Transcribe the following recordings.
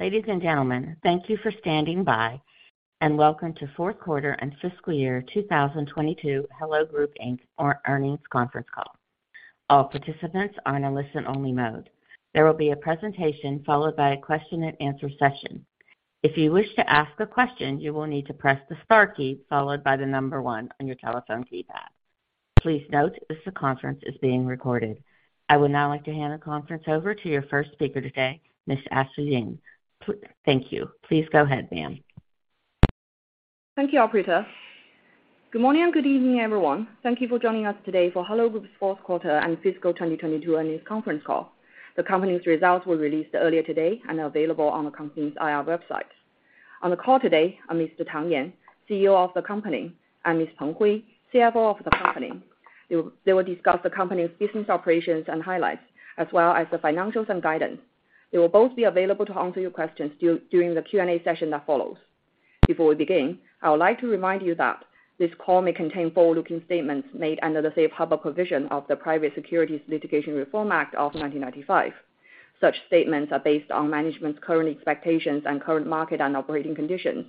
Ladies and gentlemen, thank you for standing by, and welcome to fourth Quarter and Fiscal Year 2022 Hello Group Inc. Earnings Conference Call. All participants are in a listen only mode. There will be a presentation followed by a question and answer session. If you wish to ask a question, you will need to press the star key followed by the number one on your telephone keypad. Please note this conference is being recorded. I would now like to hand the conference over to your first speaker today, Ms. Ashley Jing. Thank you. Please go ahead, ma'am. Thank you, operator. Good morning and good evening, everyone. Thank you for joining us today for Hello Group's fourth quarter and fiscal 2022 earnings conference call. The company's results were released earlier today and are available on the company's IR website. On the call today are Mr. Yan Tang, CEO of the company, and Ms. Hui Peng, CFO of the company. They will discuss the company's business operations and highlights, as well as the financials and guidance. They will both be available to answer your questions during the Q&A session that follows. Before we begin, I would like to remind you that this call may contain forward-looking statements made under the Safe Harbor provision of the Private Securities Litigation Reform Act of 1995. Such statements are based on management's current expectations and current market and operating conditions,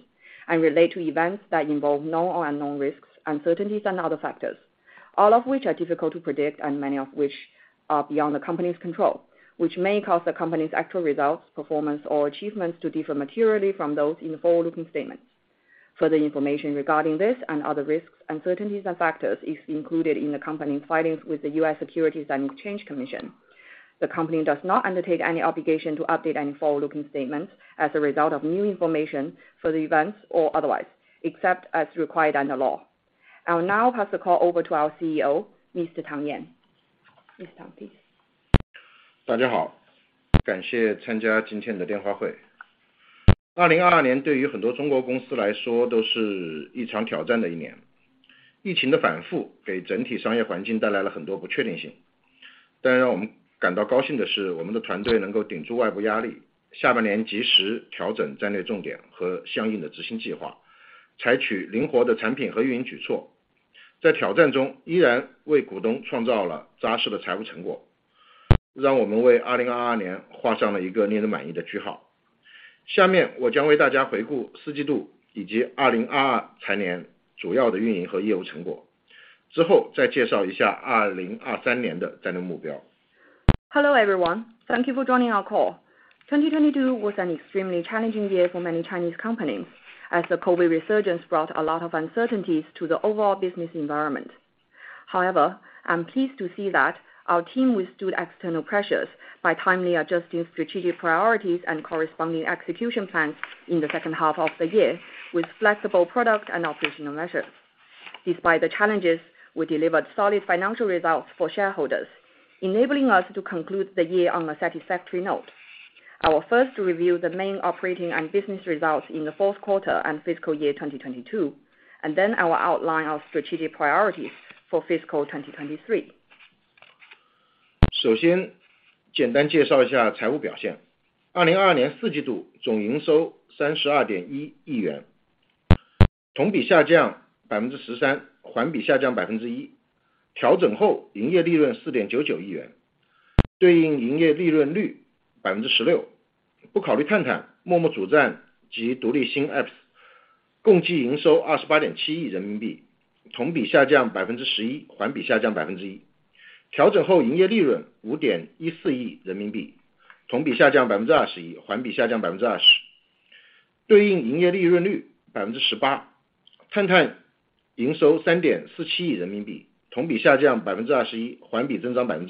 and relate to events that involve known or unknown risks, uncertainties and other factors, all of which are difficult to predict and many of which are beyond the company's control, which may cause the company's actual results, performance or achievements to differ materially from those in the forward-looking statements. Further information regarding this and other risks, uncertainties and factors is included in the company's filings with the U.S. Securities and Exchange Commission. The company does not undertake any obligation to update any forward-looking statements as a result of new information for the events or otherwise, except as required under law. I will now pass the call over to our CEO, Mr. Yan Tang. Mr. Tang, please. Hello, everyone. Thank you for joining our call. 2022 was an extremely challenging year for many Chinese companies, as the COVID resurgence brought a lot of uncertainties to the overall business environment. I'm pleased to see that our team withstood external pressures by timely adjusting strategic priorities and corresponding execution plans in the second half of the year with flexible product and operational measures. Despite the challenges, we delivered solid financial results for shareholders, enabling us to conclude the year on a satisfactory note. I will first review the main operating and business results in the fourth quarter and fiscal year 2022, and then I will outline our strategic priorities for fiscal 2023. Hello, everyone. Thank you for joining our call. 2022 was an extremely challenging year for many Chinese companies, as the COVID resurgence brought a lot of uncertainties to the overall business environment. I'm pleased to see that our team withstood external pressures by timely adjusting strategic priorities and corresponding execution plans in the second half of the year with flexible product and operational measures. Despite the challenges, we delivered solid financial results for shareholders, enabling us to conclude the year on a satisfactory note. I will first review the main operating and business results in the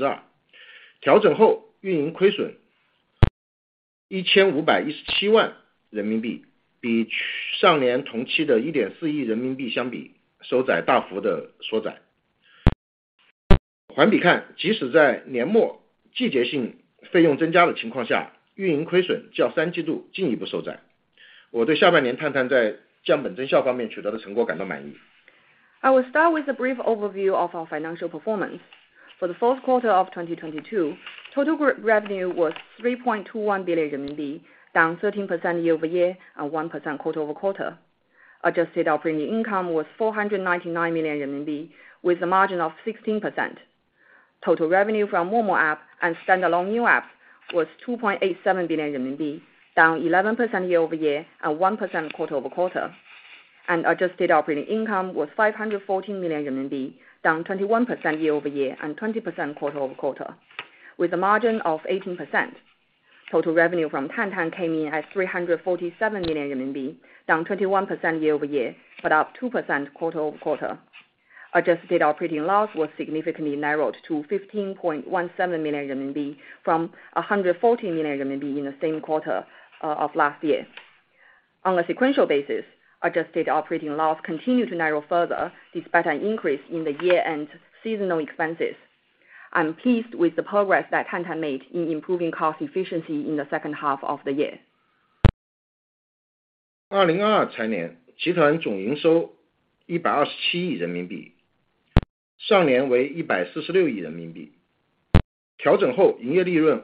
fourth quarter and fiscal year 2022, then I will outline our strategic priorities for fiscal 2023. I will start with a brief overview of our financial performance. For the fourth quarter of 2022, total revenue was 3.21 billion RMB, down 13% year-over-year and 1% quarter-over-quarter. Adjusted operating income was 499 million RMB, with a margin of 16%. Total revenue from Momo app and standalone new app was 2.87 billion RMB, down 11% year-over-year and 1% quarter-over-quarter. Adjusted operating income was 514 million RMB, down 21% year-over-year and 20% quarter-over-quarter, with a margin of 18%. Total revenue from Tantan came in at 347 million RMB, down 21% year-over-year, but up 2% quarter-over-quarter. Adjusted operating loss was significantly narrowed to 15.17 million RMB from 114 million RMB in the same quarter of last year. On a sequential basis, adjusted operating loss continued to narrow further despite an increase in the year-end seasonal expenses. I'm pleased with the progress that Tantan made in improving cost efficiency in the second half of the year. 2022财年集团总营收一百二十七亿人民 币， 上年为一百四十六亿人民币。调整后营业利润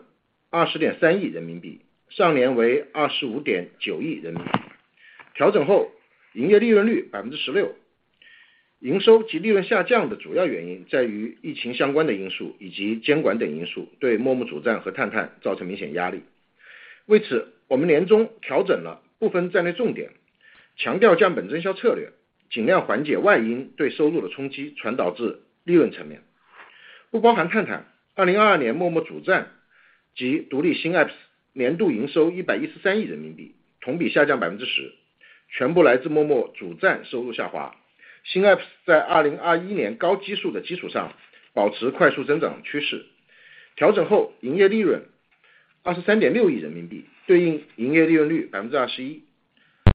二十点三亿人民 币， 上年为二十五点九亿人民币。调整后营业利润率 16%。营收及利润下降的主要原因在于疫情相关的因 素， 以及监管等因素对陌陌主站和探探造成明显压力。为 此， 我们年中调整了部分战略重 点， 强调降本增效策 略， 尽量缓解外因对收入的冲 击， 传导至利润层面。不包含探探 ，2022 年陌陌主站及独立新 apps 年度营收一百一十三亿人民 币， 同比下降百分之 十， 全部来自陌陌主站收入下滑。新 apps 在2021年高基数的基础上保持快速增长趋势。调整后营业利润二十三点六亿人民 币， 对应营业利润率百分之二十 一，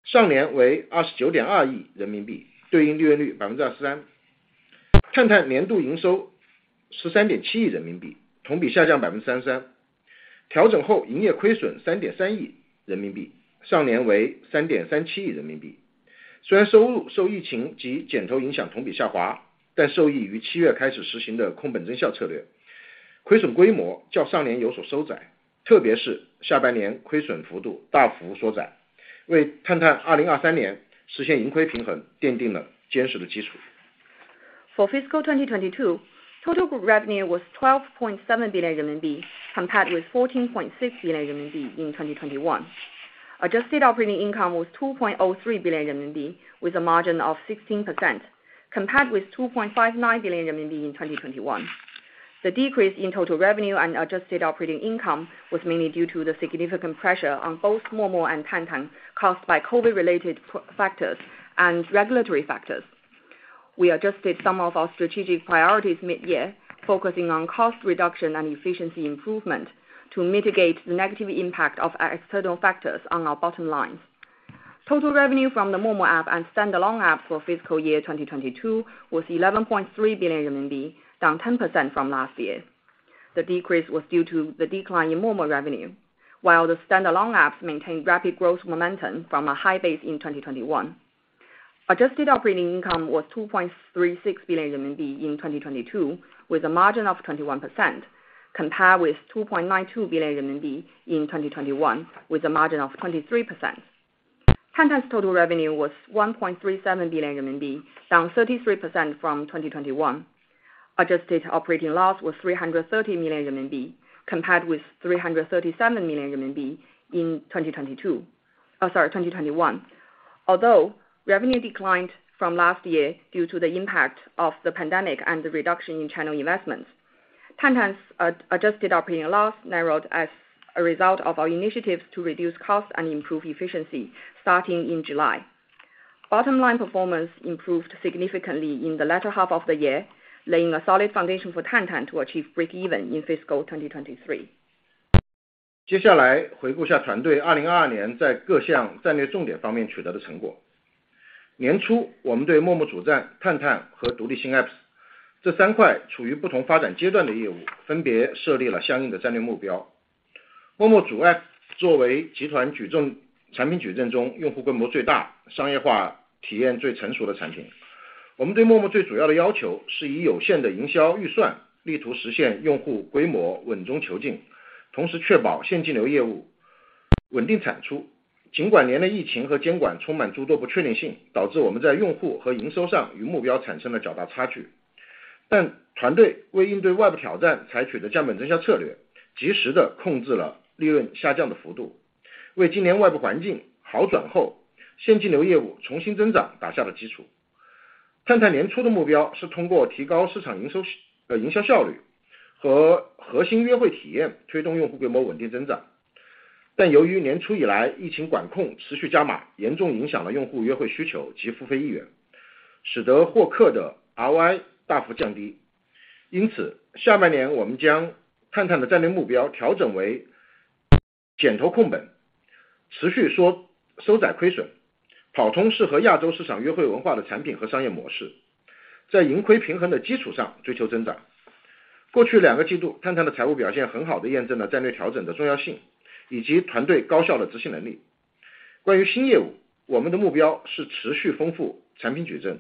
上年为二十九点二亿人民 币， 对应利润率百分之二十三。探探年度营收十三点七亿人民 币， 同比下降百分之三十三。调整后营业亏损三点三亿人民 币， 上年为三点三七亿人民币。虽然收入受疫情及减投影响同比下 滑， 但受益于七月开始实行的控本增效策 略， 亏损规模较上年有所收 窄， 特别是下半年亏损幅度大幅缩 窄， 为探探2023年实现盈亏平衡奠定了坚实的基础。For fiscal 2022, total revenue was 12.7 billion RMB compared with 14.6 billion RMB in 2021. Adjusted operating income was 2.03 billion RMB with a margin of 16%, compared with 2.59 billion RMB in 2021. The decrease in total revenue and adjusted operating income was mainly due to the significant pressure on both Momo and Tantan caused by COVID-related factors and regulatory factors. We adjusted some of our strategic priorities mid-year, focusing on cost reduction and efficiency improvement to mitigate the negative impact of external factors on our bottom line. Total revenue from the Momo app and standalone apps for fiscal year 2022 was 11.3 billion RMB, down 10% from last year. The decrease was due to the decline in Momo revenue, while the standalone apps maintained rapid growth momentum from a high base in 2021. Adjusted operating income was 2.36 billion RMB in 2022 with a margin of 21%, compared with 2.92 billion RMB in 2021 with a margin of 23%. Tantan's total revenue was 1.37 billion RMB, down 33% from 2021. Adjusted operating loss was 330 million RMB compared with 337 million RMB in 2022. sorry, 2021. Revenue declined from last year due to the impact of the pandemic and the reduction in channel investments, Tantan's adjusted operating loss narrowed as a result of our initiatives to reduce costs and improve efficiency starting in July. Bottom line performance improved significantly in the latter half of the year, laying a solid foundation for Tantan to achieve breakeven in fiscal 2023. 接下来回顾下团队2022年在各项战略重点方面取得的成果。年初我们对陌陌主站、探探和独立新 apps 这三块处于不同发展阶段的业 务， 分别设立了相应的战略目标。陌陌主 app 作为集团矩阵产品矩阵中用户规模最大、商业化体验最成熟的产 品， 我们对陌陌最主要的要求是以有限的营销预算力图实现用户规模稳中求 进， 同时确保现金流业务稳定产出。尽管年的疫情和监管充满诸多不确定 性， 导致我们在用户和营收上与目标产生了较大差距。但团队为应对外部挑 战， 采取的降本增效策 略， 及时地控制了利润下降的幅 度， 为今年外部环境好转后现金流业务重新增长打下了基础。探探年初的目标是通过提高市场营收呃营销效率和核心约会体 验， 推动用户规模稳定增长。但由于年初以来疫情管控持续加 码， 严重影响了用户约会需求及付费意 愿， 使得获客的 ROI 大幅降低。因 此， 下半年我们将探探的战略目标调整为减投控 本， 持续缩-收窄亏 损， 跑通适合亚洲市场约会文化的产品和商业模 式， 在盈亏平衡的基础上追求增长。过去两个季 度， 探探的财务表现很好地验证了战略调整的重要性，以及团队高效的执行能力。关于新业 务， 我们的目标是持续丰富产品矩 阵，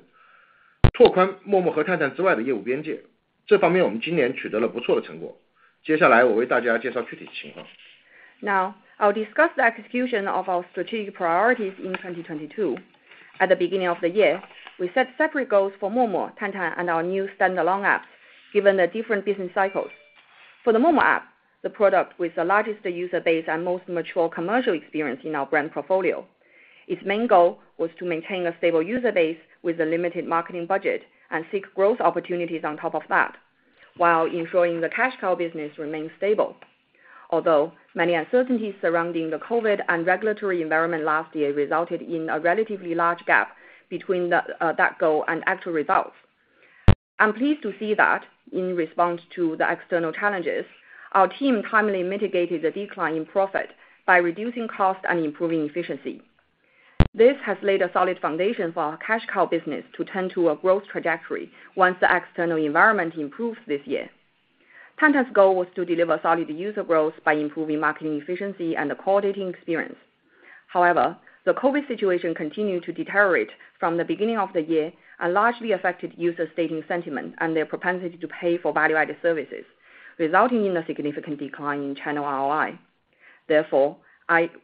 拓宽陌陌和探探之外的业务边界。这方面我们今年取得了不错的成果。接下来我为大家介绍具体情况。I'll discuss the execution of our strategic priorities in 2022. At the beginning of the year, we set separate goals for Momo, Tantan, and our new standalone apps given the different business cycles. For the Momo app, the product with the largest user base and most mature commercial experience in our brand portfolio, its main goal was to maintain a stable user base with a limited marketing budget and seek growth opportunities on top of that, while ensuring the cash cow business remains stable. Many uncertainties surrounding the COVID and regulatory environment last year resulted in a relatively large gap between that goal and actual results, I'm pleased to see that in response to the external challenges, our team timely mitigated the decline in profit by reducing cost and improving efficiency. This has laid a solid foundation for our cash cow business to turn to a growth trajectory once the external environment improves this year. Tantan's goal was to deliver solid user growth by improving marketing efficiency and the core dating experience. The COVID situation continued to deteriorate from the beginning of the year and largely affected users dating sentiment and their propensity to pay for Value-Added Services, resulting in a significant decline in channel ROI.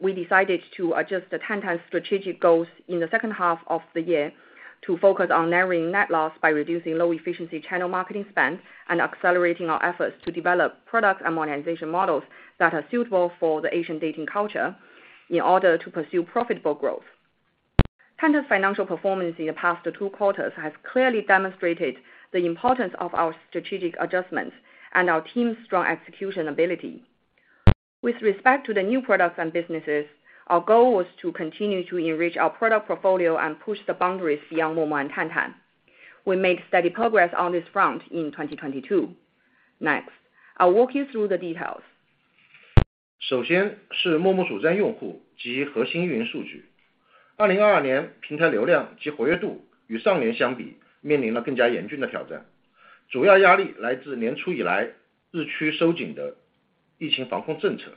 We decided to adjust the Tantan strategic goals in the second half of the year to focus on narrowing net loss by reducing low efficiency channel marketing spend and accelerating our efforts to develop products and monetization models that are suitable for the Asian dating culture in order to pursue profitable growth. Tantan's financial performance in the past two quarters has clearly demonstrated the importance of our strategic adjustments and our team's strong execution ability. With respect to the new products and businesses, our goal was to continue to enrich our product portfolio and push the boundaries beyond Momo and Tantan. We made steady progress on this front in 2022. Next, I'll walk you through the details. 首先是 Momo 主站用户及核心运营数据。二零二二年平台流量及活跃度与上年相 比， 面临了更加严峻的挑战。主要压力来自年初以来日趋收紧的疫情防控政 策，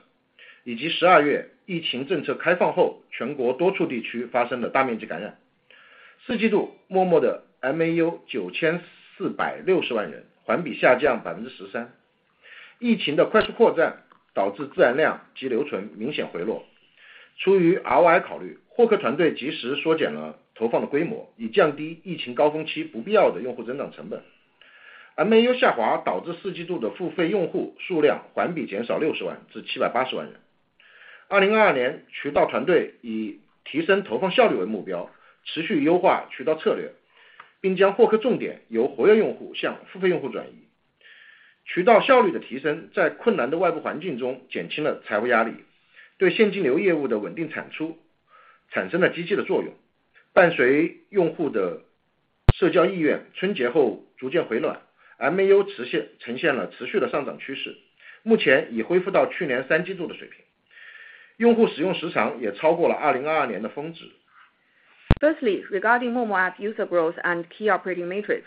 以及十二月疫情政策开放 后， 全国多处地区发生的大面积感染。四季度 ，Momo 的 MAU 九千四百六十万 人， 环比下降百分之十三。疫情的快速扩展导致自然量及留存明显回落。出于 ROI 考 虑， 获客团队及时缩减了投放的规 模， 以降低疫情高峰期不必要的用户增长成本。MAU 下滑导致四季度的付费用户数量环比减少六十万至七百八十万人。二零二二年渠道团队以提升投放效率为目 标， 持续优化渠道策 略， 并将获客重点由活跃用户向付费用户转移。渠道效率的提升在困难的外部环境中减轻了财务压 力， 对现金流业务的稳定产出产生了积极的作用。伴随用户的社交意愿春节后逐渐回暖 ，MAU 呈现了持续的上涨趋 势， 目前已恢复到去年三季度的水平。用户使用时长也超过了二零二二年的峰值。Firstly, regarding Momo app user growth and key operating metrics.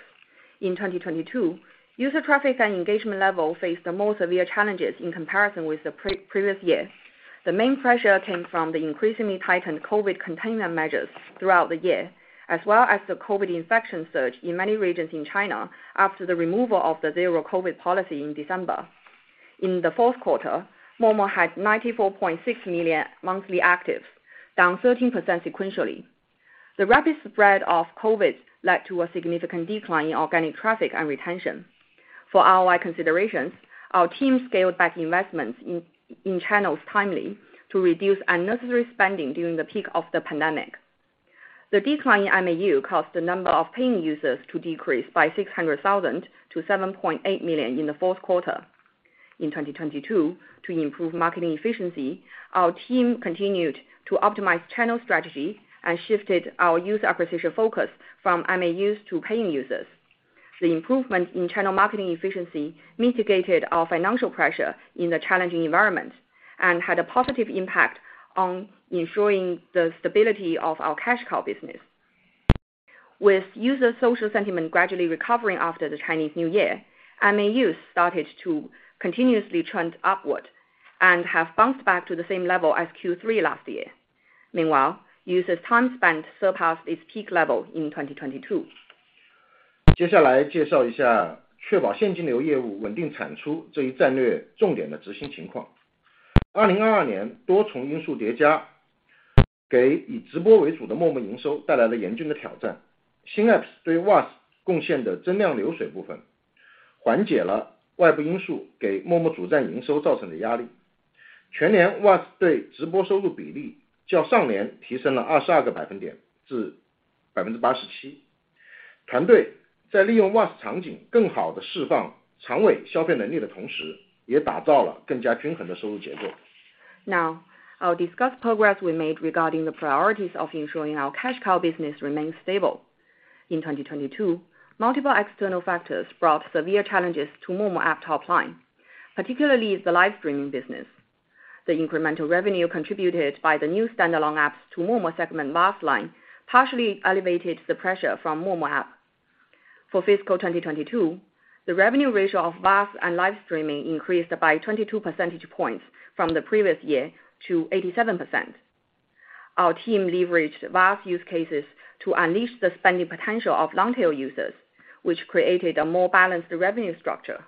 In 2022, user traffic and engagement level faced the more severe challenges in comparison with the pre-previous year. The main pressure came from the increasingly tightened COVID containment measures throughout the year, as well as the COVID infection surge in many regions in China after the removal of the zero COVID policy in December. In the fourth quarter, Momo had 94.6 million monthly actives, down 13% sequentially. The rapid spread of COVID led to a significant decline in organic traffic and retention. For ROI considerations, our team scaled back investments in channels timely to reduce unnecessary spending during the peak of the pandemic. The decline in MAU caused the number of paying users to decrease by 600,000 to 7.8 million in the fourth quarter. In 2022, to improve marketing efficiency, our team continued to optimize channel strategy and shifted our user acquisition focus from MAUs to paying users. The improvement in channel marketing efficiency mitigated our financial pressure in the challenging environment and had a positive impact on ensuring the stability of our cash cow business. With user social sentiment gradually recovering after the Chinese New Year, MAUs started to continuously trend upward and have bounced back to the same level as Q3 last year. Users' time spent surpassed its peak level in 2022. 接下来介绍一下确保现金流业务稳定产出这一战略重点的执行情况。2022年多重因素叠 加， 给以直播为主的 Momo 营收带来了严峻的挑战。新 apps 对 VAS 贡献的增量流水部分缓解了外部因素给 Momo 主站营收造成的压力。全年 VAS 对直播收入比例较上年提升了22 percentage points， 至 87%。团队在利用 VAS 场景更好地释放长尾消费能力的同时，也打造了更加均衡的收入结构。I'll discuss progress we made regarding the priorities of ensuring our cash cow business remains stable. In 2022, multiple external factors brought severe challenges to Momo app top line, particularly the live streaming business. The incremental revenue contributed by the new standalone apps to Momo segment last line partially elevated the pressure from Momo app. For fiscal 2022, the revenue ratio of VAS and live streaming increased by 22 percentage points from the previous year to 87%. Our team leveraged VAS use cases to unleash the spending potential of long-tail users, which created a more balanced revenue structure.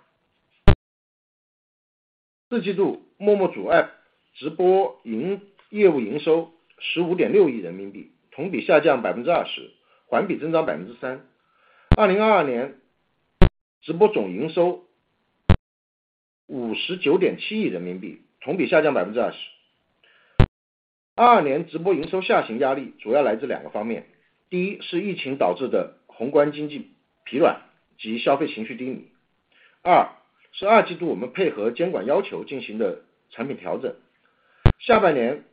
四季度 ，Momo 主 App 直播营业务营收十五点六亿人民 币， 同比下降百分之二 十， 环比增长百分之三。二零二二年直播总营收五十九点七亿人民 币， 同比下降百分之二十。二二年直播营收下行压力主要来自两个方面。第一是疫情导致的宏观经济疲软及消费情绪低迷。二、是二季度我们配合监管要求进行的产品调整。下半 年，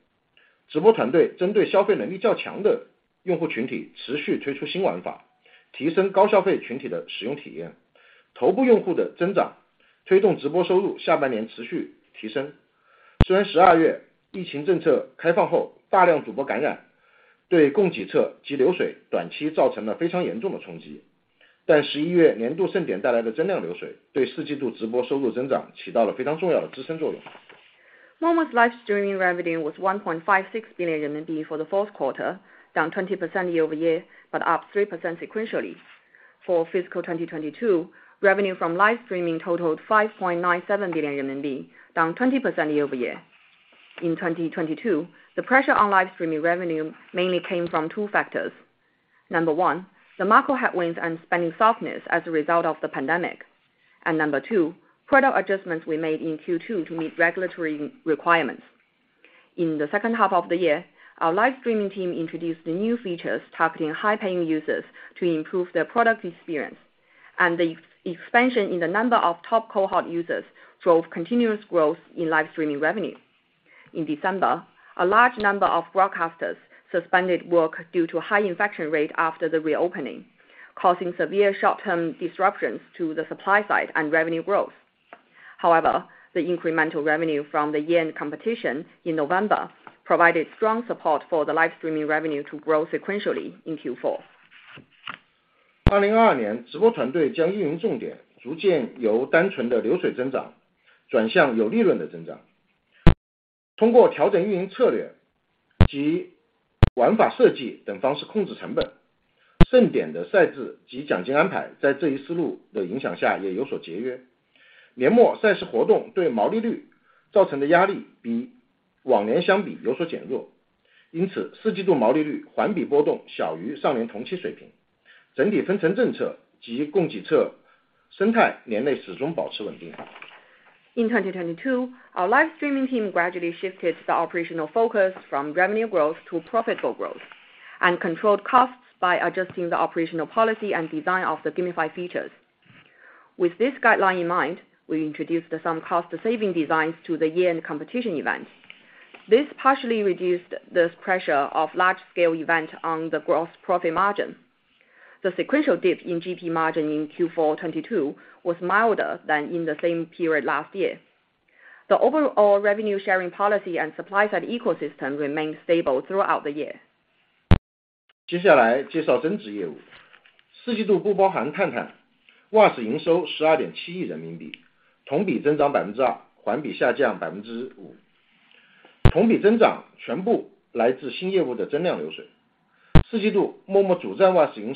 直播团队针对消费能力较强的用户群体持续推出新玩 法， 提升高消费群体的使用体验。头部用户的增长推动直播收入下半年持续提升。虽然十二月疫情政策开放 后， 大量主播感染对供给侧及流水短期造成了非常严重的冲 击， 但十一月年度盛典带来的增量流水对四季度直播收入增长起到了非常重要的支撑作用。Momo's live streaming revenue was 1.56 billion RMB for the fourth quarter, down 20% year-over-year, up 3% sequentially. For fiscal 2022, revenue from live streaming totaled 5.97 billion RMB, down 20% year-over-year. In 2022, the pressure on live streaming revenue mainly came from two factors. Number one, the macro headwinds and spending softness as a result of the pandemic. Number two, product adjustments we made in Q2 to meet regulatory requirements. In the second half of the year, our live streaming team introduced the new features targeting high-paying users to improve their product experience. The expansion in the number of top cohort users drove continuous growth in live streaming revenue. In December, a large number of broadcasters suspended work due to high infection rate after the reopening, causing severe short-term disruptions to the supply side and revenue growth. The incremental revenue from the year-end competition in November provided strong support for the live streaming revenue to grow sequentially in Q4. In 2022, our live streaming team gradually shifted the operational focus from revenue growth to profitable growth, and controlled costs by adjusting the operational policy and design of the gamified features. With this guideline in mind, we introduced some cost saving designs to the year-end competition event. This partially reduced this pressure of large scale event on the Gross Profit margin. The sequential dip in GP margin in Q4 22 was milder than in the same period last year. The overall revenue sharing policy and supply side ecosystem remained stable throughout the year. With regards to VAS,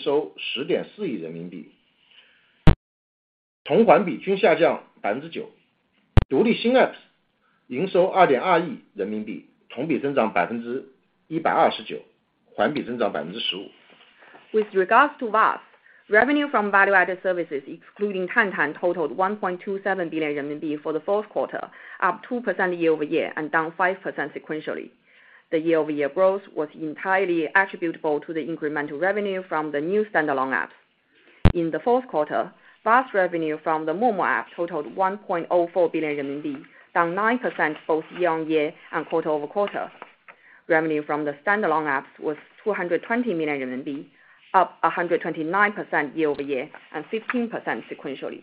revenue from value-added services, excluding Tantan, totaled 1.27 billion RMB for the fourth quarter, up 2% year-over-year and down 5% sequentially. The year-over-year growth was entirely attributable to the incremental revenue from the new standalone app. In the fourth quarter, VAS revenue from the Momo app totaled 1.4 billion RMB, down 9% both year-on-year and quarter-over-quarter. Revenue from the standalone apps was 220 million RMB, up 129% year-over-year and 15% sequentially.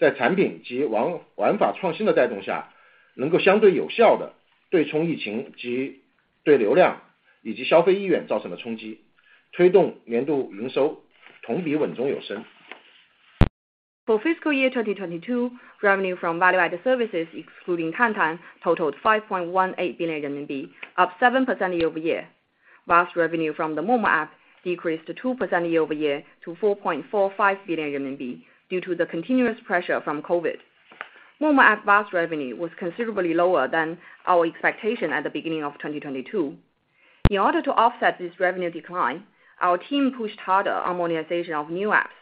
For fiscal year 2022, revenue from value-added services, excluding Tantan, totaled 5.18 billion RMB, up 7% year-over-year. VAS revenue from the Momo app decreased 2% year-over-year to 4.45 billion RMB due to the continuous pressure from COVID. Momo advanced revenue was considerably lower than our expectation at the beginning of 2022. In order to offset this revenue decline, our team pushed harder on monetization of new apps,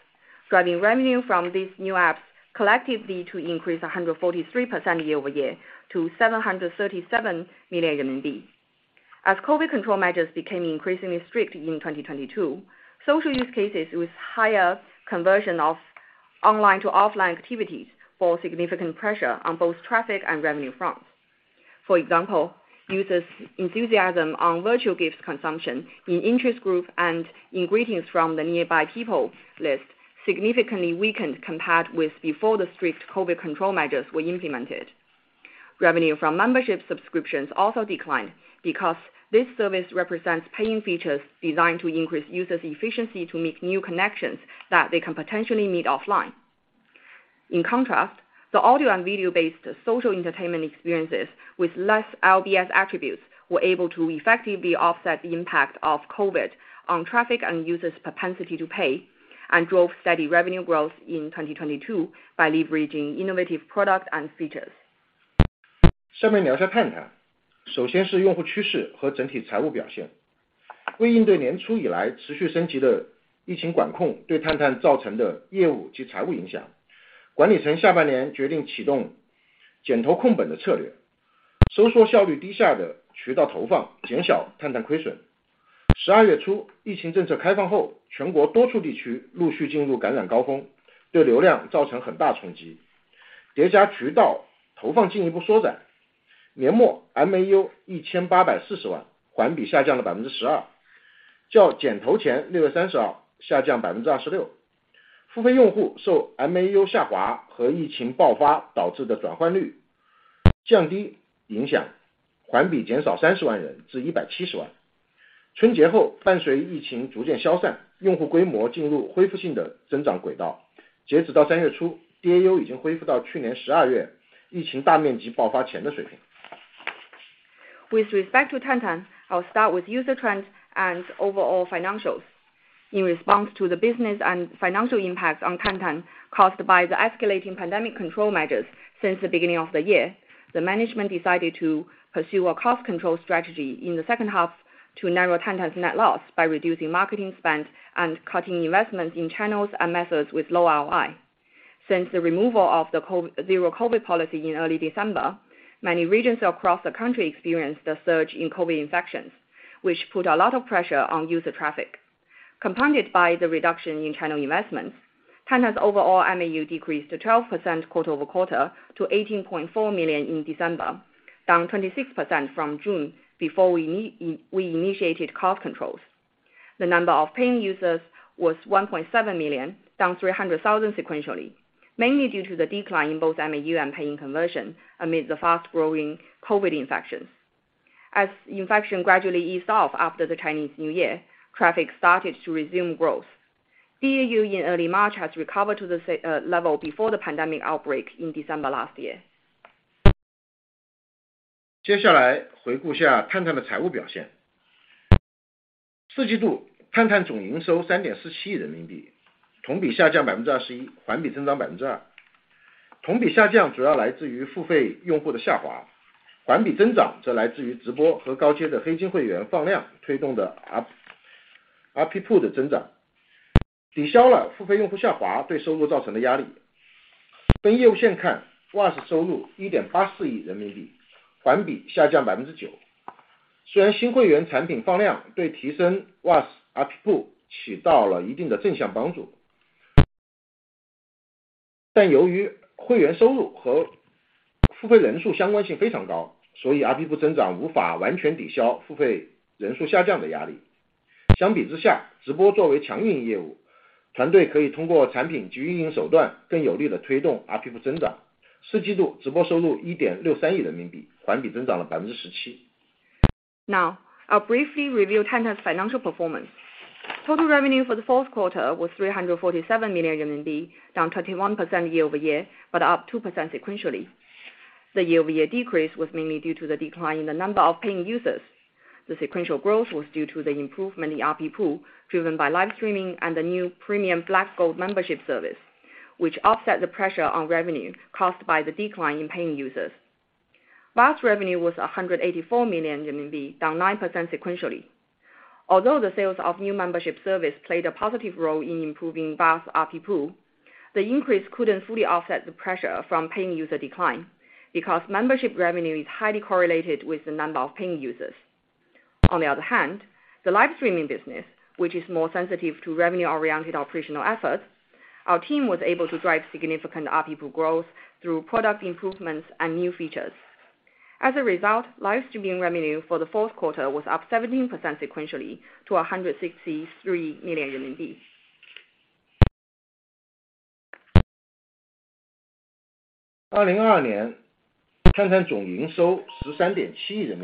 driving revenue from these new apps collectively to increase 143% year-over-year to 737 million RMB. As COVID control measures became increasingly strict in 2022, social use cases with higher conversion of online to offline activities saw significant pressure on both traffic and revenue fronts. For example, users' enthusiasm on virtual gifts consumption in interest group and in greetings from the nearby people list significantly weakened compared with before the strict COVID control measures were implemented. Revenue from membership subscriptions also declined because this service represents paying features designed to increase users efficiency to make new connections that they can potentially meet offline. In contrast, the audio and video-based social entertainment experiences with less LBS attributes were able to effectively offset the impact of COVID on traffic and users propensity to pay, and drove steady revenue growth in 2022 by leveraging innovative products and features. 下面聊下探 探. 首先是用户趋势和整体财务表 现. 为应对年初以来持续升级的疫情管控对探探造成的业务及财务影 响， 管理层下半年决定启动减投控本的策 略， 收缩效率低下的渠道投 放， 减小探探亏 损. 十二月 初， 疫情政策开放 后， 全国多处地区陆续进入感染高 峰， 对流量造成很大冲 击. 叠加渠道投放进一步缩 减， 年末 MAU 18.4 million， 环比下降了 12%， 较减投前六月三十号下降 26%. 付费用户受 MAU 下滑和疫情爆发导致的转换率降低影 响， 环比减少 300,000 人至 1.7 million. 春节 后， 伴随疫情逐渐消 散， 用户规模进入恢复性的增长轨 道. 截止到三月 初，DAU 已经恢复到去年十二月疫情大面积爆发前的水 平. With respect to Tantan, I'll start with user trends and overall financials. In response to the business and financial impacts on Tantan caused by the escalating pandemic control measures since the beginning of the year, the management decided to pursue a cost control strategy in the second half to narrow Tantan's net loss by reducing marketing spend and cutting investments in channels and methods with low ROI. Since the removal of the Zero-COVID policy in early December, many regions across the country experienced a surge in COVID infections, which put a lot of pressure on user traffic. Compounded by the reduction in channel investments, Tantan's overall MAU decreased to 12% quarter-over-quarter to 18.4 million in December, down 26% from June before we initiated cost controls. The number of paying users was 1.7 million, down 300,000 sequentially, mainly due to the decline in both MAU and paying conversion amid the fast-growing COVID infections. As infection gradually eased off after the Chinese New Year, traffic started to resume growth. DAU in early March has recovered to the level before the pandemic outbreak in December last year. 接下来回顾下探探的财务表现。四季度探探总营收三点四七亿人民 币， 同比下降百分之二十 一， 环比增长百分之二。同比下降主要来自于付费用户的下 滑， 环比增长则来自于直播和高阶的黑金会员放量推动的 AR-- ARPU 的增 长， 抵消了付费用户下滑对收入造成的压力。分业务线看 ，VAS 收入一点八四亿人民 币， 环比下降百分之九。虽然新会员产品放量对提升 VAS ARPU 起到了一定的正向帮助。但由于会员收入和付费人数相关性非常 高， 所以 ARPU 增长无法完全抵消付费人数下降的压力。相比之 下， 直播作为强运营业 务， 团队可以通过产品及运营手段更有力地推动 ARPU 增长。四季度直播收入一点六三亿人民 币， 环比增长了百分之十七。I'll briefly review Tantan's financial performance. Total revenue for the fourth quarter was 347 million RMB, down 21% year-over-year, but up 2% sequentially. The year-over-year decrease was mainly due to the decline in the number of paying users. The sequential growth was due to the improvement in ARPU, driven by live streaming and the new premium Black Gold membership service, which offset the pressure on revenue caused by the decline in paying users. VAS revenue was 184 million RMB, down 9% sequentially. Although the sales of new membership service played a positive role in improving VAS ARPU, the increase couldn't fully offset the pressure from paying user decline because membership revenue is highly correlated with the number of paying users. On the other hand, the live streaming business, which is more sensitive to revenue-oriented operational efforts, our team was able to drive significant ARPU growth through product improvements and new features. As a result, live streaming revenue for the fourth quarter was up 17% sequentially to 163 million RMB. 2022年探探总营收十三点七亿人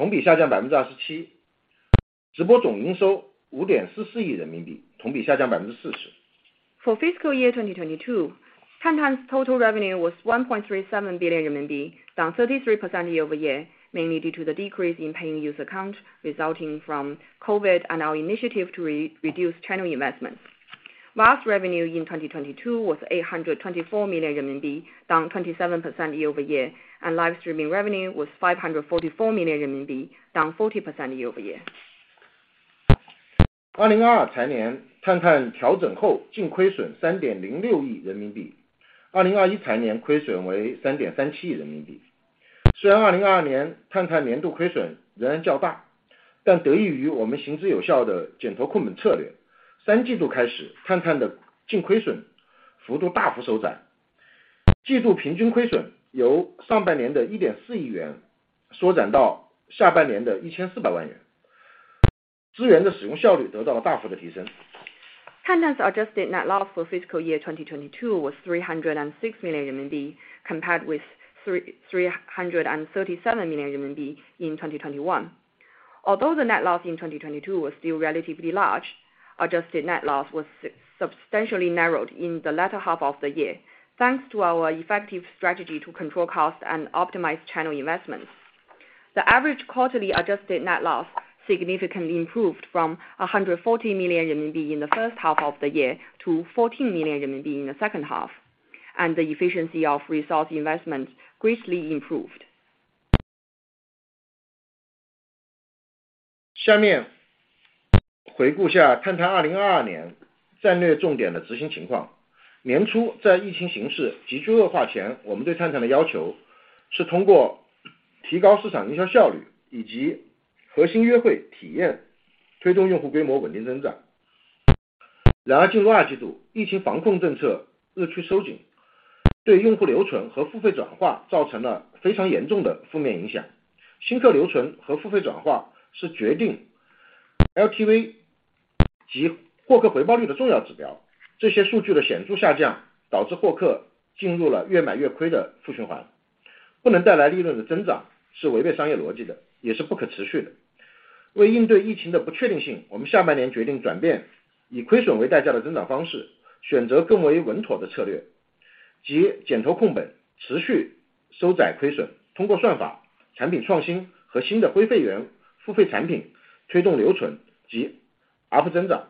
民 币， 同比下降百分之三十三。下行压力主要来自于与疫情和减投控本相关的付费用户下滑。分业务线看 ，VAS 总营收八点二四亿人民 币， 同比下降百分之二十七。直播总营收五点四四亿人民 币， 同比下降百分之四十。For fiscal year 2022, Tantan's total revenue was 1.37 billion RMB, down 33% year-over-year, mainly due to the decrease in paying user count resulting from COVID and our initiative to re-reduce channel investments. VAS revenue in 2022 was 824 million RMB, down 27% year-over-year, and live streaming revenue was 544 million RMB, down 40% year-over-year. 2022财年探探调整后净亏损三点零六亿人民币。2021 财年亏损为三点三七亿人民币。虽然2022年探探年度亏损仍然较 大， 但得益于我们行之有效的减投控本策 略， 三季度开始探探的净亏损幅度大幅收 窄， 季度平均亏损由上半年的一个点四亿元缩减到下半年的一千四百万 元， 资源的使用效率得到了大幅的提升。Tantan's adjusted net loss for fiscal year 2022 was 306 million RMB compared with 337 million RMB in 2021. The net loss in 2022 was still relatively large, adjusted net loss was substantially narrowed in the latter half of the year, thanks to our effective strategy to control costs and optimize channel investments. The average quarterly adjusted net loss significantly improved from 140 million RMB in the first half of the year to 14 million RMB in the second half, and the efficiency of resource investment greatly improved. 下面回顾下探探2022年战略重点的执行情况。年 初, 在疫情形势急剧恶化 前, 我们对探探的要求是通过提高市场营销效率以及核心约会体 验, 推动用户规模稳定增长。然而进入二季 度, 疫情防控政策日趋收 紧, 对用户留存和付费转化造成了非常严重的负面影响。新客留存和付费转化是决定 LTV 及获客回报率的重要指标。这些数据的显著下 降, 导致获客进入了越买越亏的负循环。不能带来利润的增长是违背商业逻辑 的, 也是不可持续的。为应对疫情的不确定 性, 我们下半年决定转变以亏损为代价的增长方 式, 选择更为稳妥的策 略, 即减投控 本, 持续收窄亏 损, 通过算法、产品创新和新的非会员付费产品推动留存及 ARPU 增长。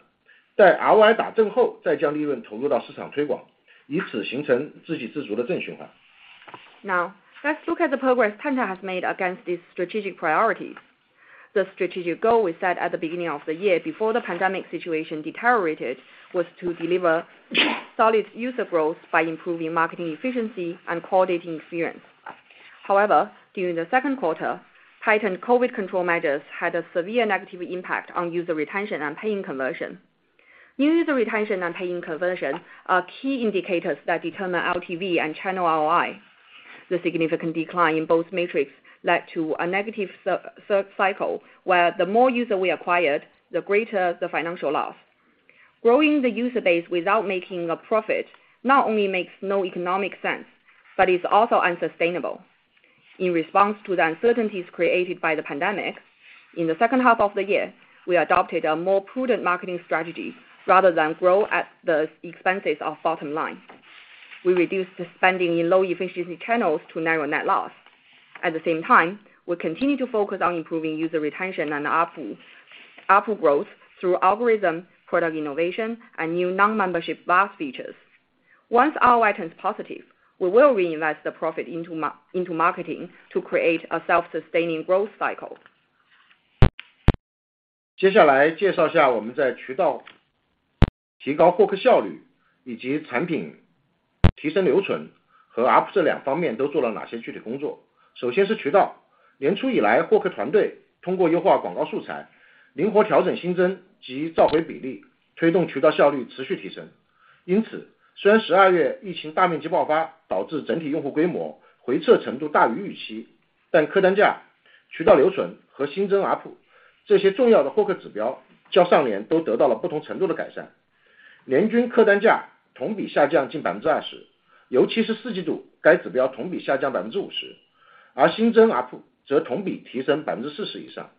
在 ROI 打正 后, 再将利润投入到市场推 广, 以此形成自给自足的正循环。Now, let's look at the progress Tantan has made against these strategic priorities. The strategic goal we set at the beginning of the year, before the pandemic situation deteriorated, was to deliver solid user growth by improving marketing efficiency and quality experience. However, during the second quarter, tightened COVID control measures had a severe negative impact on user retention and paying conversion. New user retention and paying conversion are key indicators that determine LTV and channel ROI. The significant decline in both metrics led to a negative cycle, where the more user we acquired, the greater the financial loss. Growing the user base without making a profit not only makes no economic sense, but is also unsustainable. In response to the uncertainties created by the pandemic, in the second half of the year, we adopted a more prudent marketing strategy rather than grow at the expenses of bottom line. We reduced the spending in low efficiency channels to narrow net loss. We continue to focus on improving user retention and ARPU growth through algorithm, product innovation, and new non-membership boss features. Once ROI turns positive, we will reinvest the profit into marketing to create a self-sustaining growth cycle. 接下来介绍下我们在渠道提高获客效率以及产品提升留存和 ARPU 这两方面都做了哪些具体工作。首先是渠道。年初以 来, 获客团队通过优化广告素 材, 灵活调整新增及召回比 例, 推动渠道效率持续提升。因 此, 虽然十二月疫情大面积爆 发, 导致整体用户规模回撤程度大于预 期, 但客单价、渠道留存和新增 ARPU 这些重要的获客指标较上年都得到了不同程度的改善。年均客单价同比下降近百分之二 十, 尤其是四季度该指标同比下降百分之五 十, 而新增 ARPU 则同比提升百分之四十以上。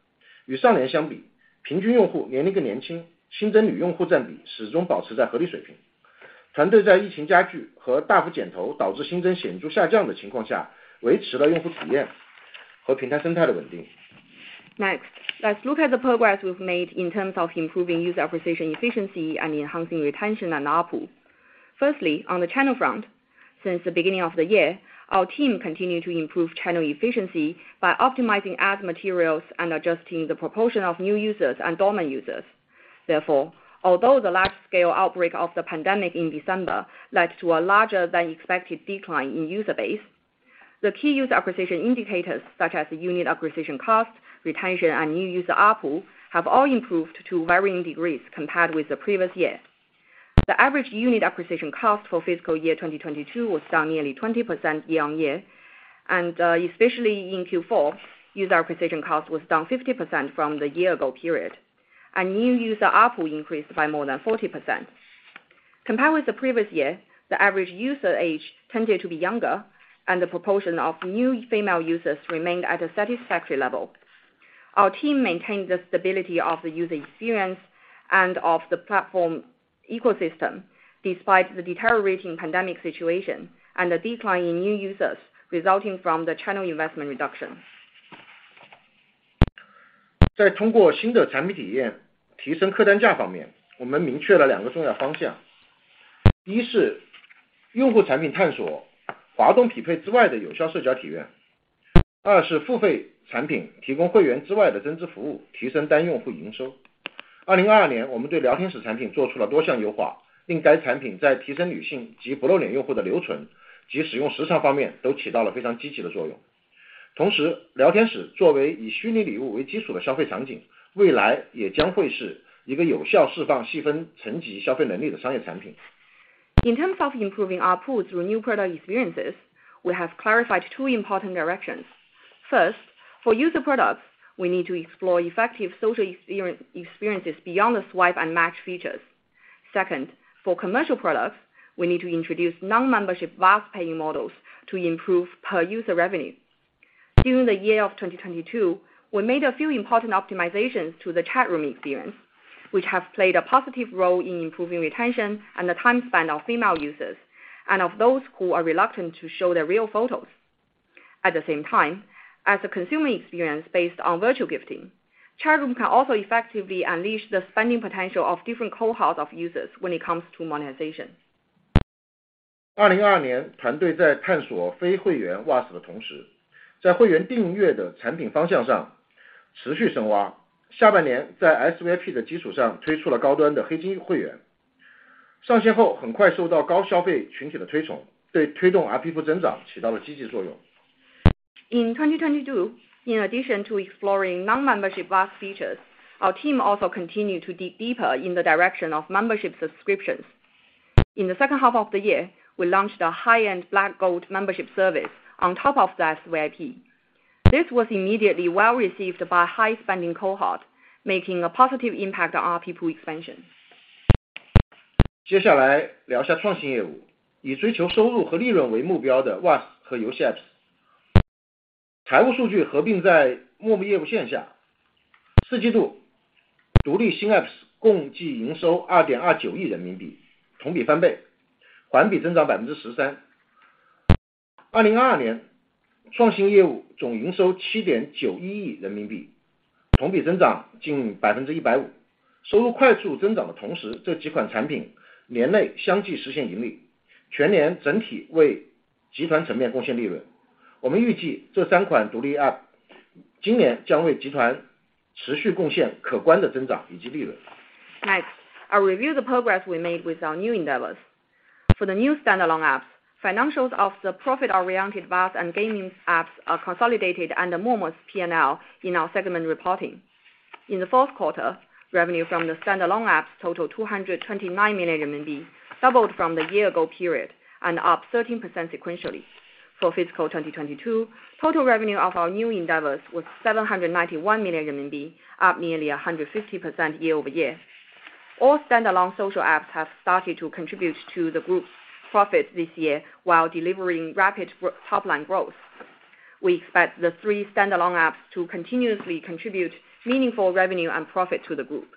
与上年相 比, 平均用户年龄更年 轻, 新增女用户占比始终保持在合理水平。团队在疫情加剧和大幅减投导致新增显著下降的情况 下, 维持了用户体验和平台生态的稳定。Next, let's look at the progress we've made in terms of improving user acquisition efficiency and enhancing retention and ARPU. Firstly, on the channel front, since the beginning of the year, our team continued to improve channel efficiency by optimizing ad materials and adjusting the proportion of new users and dormant users. Therefore, although the large-scale outbreak of the pandemic in December led to a larger than expected decline in user base, the key user acquisition indicators such as unit acquisition cost, retention, and new user ARPU have all improved to varying degrees compared with the previous year. The average unit acquisition cost for fiscal year 2022 was down nearly 20% year-over-year, and especially in Q4, user acquisition cost was down 50% from the year-ago period, and new user ARPU increased by more than 40%. Compared with the previous year, the average user age tended to be younger, and the proportion of new female users remained at a satisfactory level. Our team maintained the stability of the user experience and of the platform ecosystem despite the deteriorating pandemic situation and a decline in new users resulting from the channel investment reduction. 在通过新的产品体验提升客单价方 面, 我们明确了两个重要方向。一是用户产品探索滑动匹配之外的有效社交体验。二是付费产品提供会员之外的增值服 务, 提升单用户营收。二零二二 年, 我们对聊天室产品做出了多项优 化, 令该产品在提升女性及不露脸用户的留存及使用时长方面都起到了非常积极的作用。同 时, 聊天室作为以虚拟礼物为基础的消费场 景, 未来也将会是一个有效释放细分层级消费能力的商业产品。In terms of improving ARPU through new product experiences, we have clarified two important directions. First, for user products, we need to explore effective social experiences beyond the swipe and match features. Second, for commercial products, we need to introduce non-membership VAS paying models to improve per-user revenue. During the year of 2022, we made a few important optimizations to the chat room experience, which have played a positive role in improving retention and the time spent of female users, and of those who are reluctant to show their real photos. At the same time, as a consumer experience based on virtual gifting, chat room can also effectively unleash the spending potential of different cohorts of users when it comes to monetization. 2022 年， 团队在探索非会员 VAS 的同 时， 在会员订阅的产品方向上持续深挖。下半年在 SVIP 的基础上推出了高端的黑金会 员， 上线后很快受到高消费群体的推 崇， 对推动 RPPU 增长起到了积极作用。In 2022, in addition to exploring non-membership VAS features, our team also continued to dig deeper in the direction of membership subscriptions. In the second half of the year, we launched a high-end Black Gold membership service on top of that VIP. This was immediately well-received by high-spending cohort, making a positive impact on our RPPU expansion. 接下来聊下创新业 务， 以追求收入和利润为目标的 VAS 和游戏 apps。财务数据合并在陌陌业务线下。四季度独立新 apps 共计营收二点二九亿人民 币， 同比翻 倍， 环比增长百分之十三。二零二二年创新业务总营收七点九一亿人民 币， 同比增长近百分之一百五。收入快速增长的同 时， 这几款产品年内相继实现盈 利， 全年整体为集团层面贡献利润。我们预计这三款独立 app 今年将为集团持续贡献可观的增长以及利润。Next, I'll review the progress we made with our new endeavors. For the new standalone apps, financials of the profit-oriented VAS and gaming apps are consolidated under Momo's P&L in our segment reporting. In the fourth quarter, revenue from the standalone apps totaled 229 million RMB, doubled from the year-ago period, and up 13% sequentially. For fiscal 2022, total revenue of our new endeavors was 791 million RMB, up nearly 150% year-over-year. All standalone social apps have started to contribute to the group's profit this year while delivering rapid top-line growth. We expect the three standalone apps to continuously contribute meaningful revenue and profit to the group.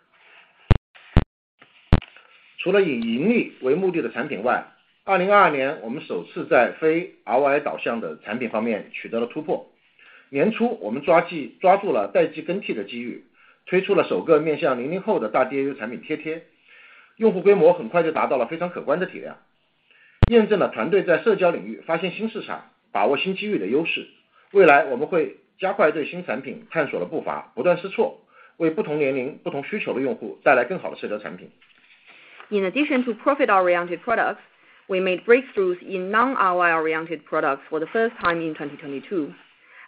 除了以盈利为目的的产品 外， 二零二二年我们首次在非 ROI 导向的产品方面取得了突破。年初我们抓纪--抓住了代际更替的机 遇， 推出了首个面向零零后的大 DAU 产品贴 贴， 用户规模很快就达到了非常可观的体 量， 验证了团队在社交领域发现新市场、把握新机遇的优势。未来我们会加快对新产品的探索步 伐， 不断试 错， 为不同年龄、不同需求的用户带来更好的社交产品。In addition to profit-oriented products, we made breakthroughs in non-ROI-oriented products for the first time in 2022.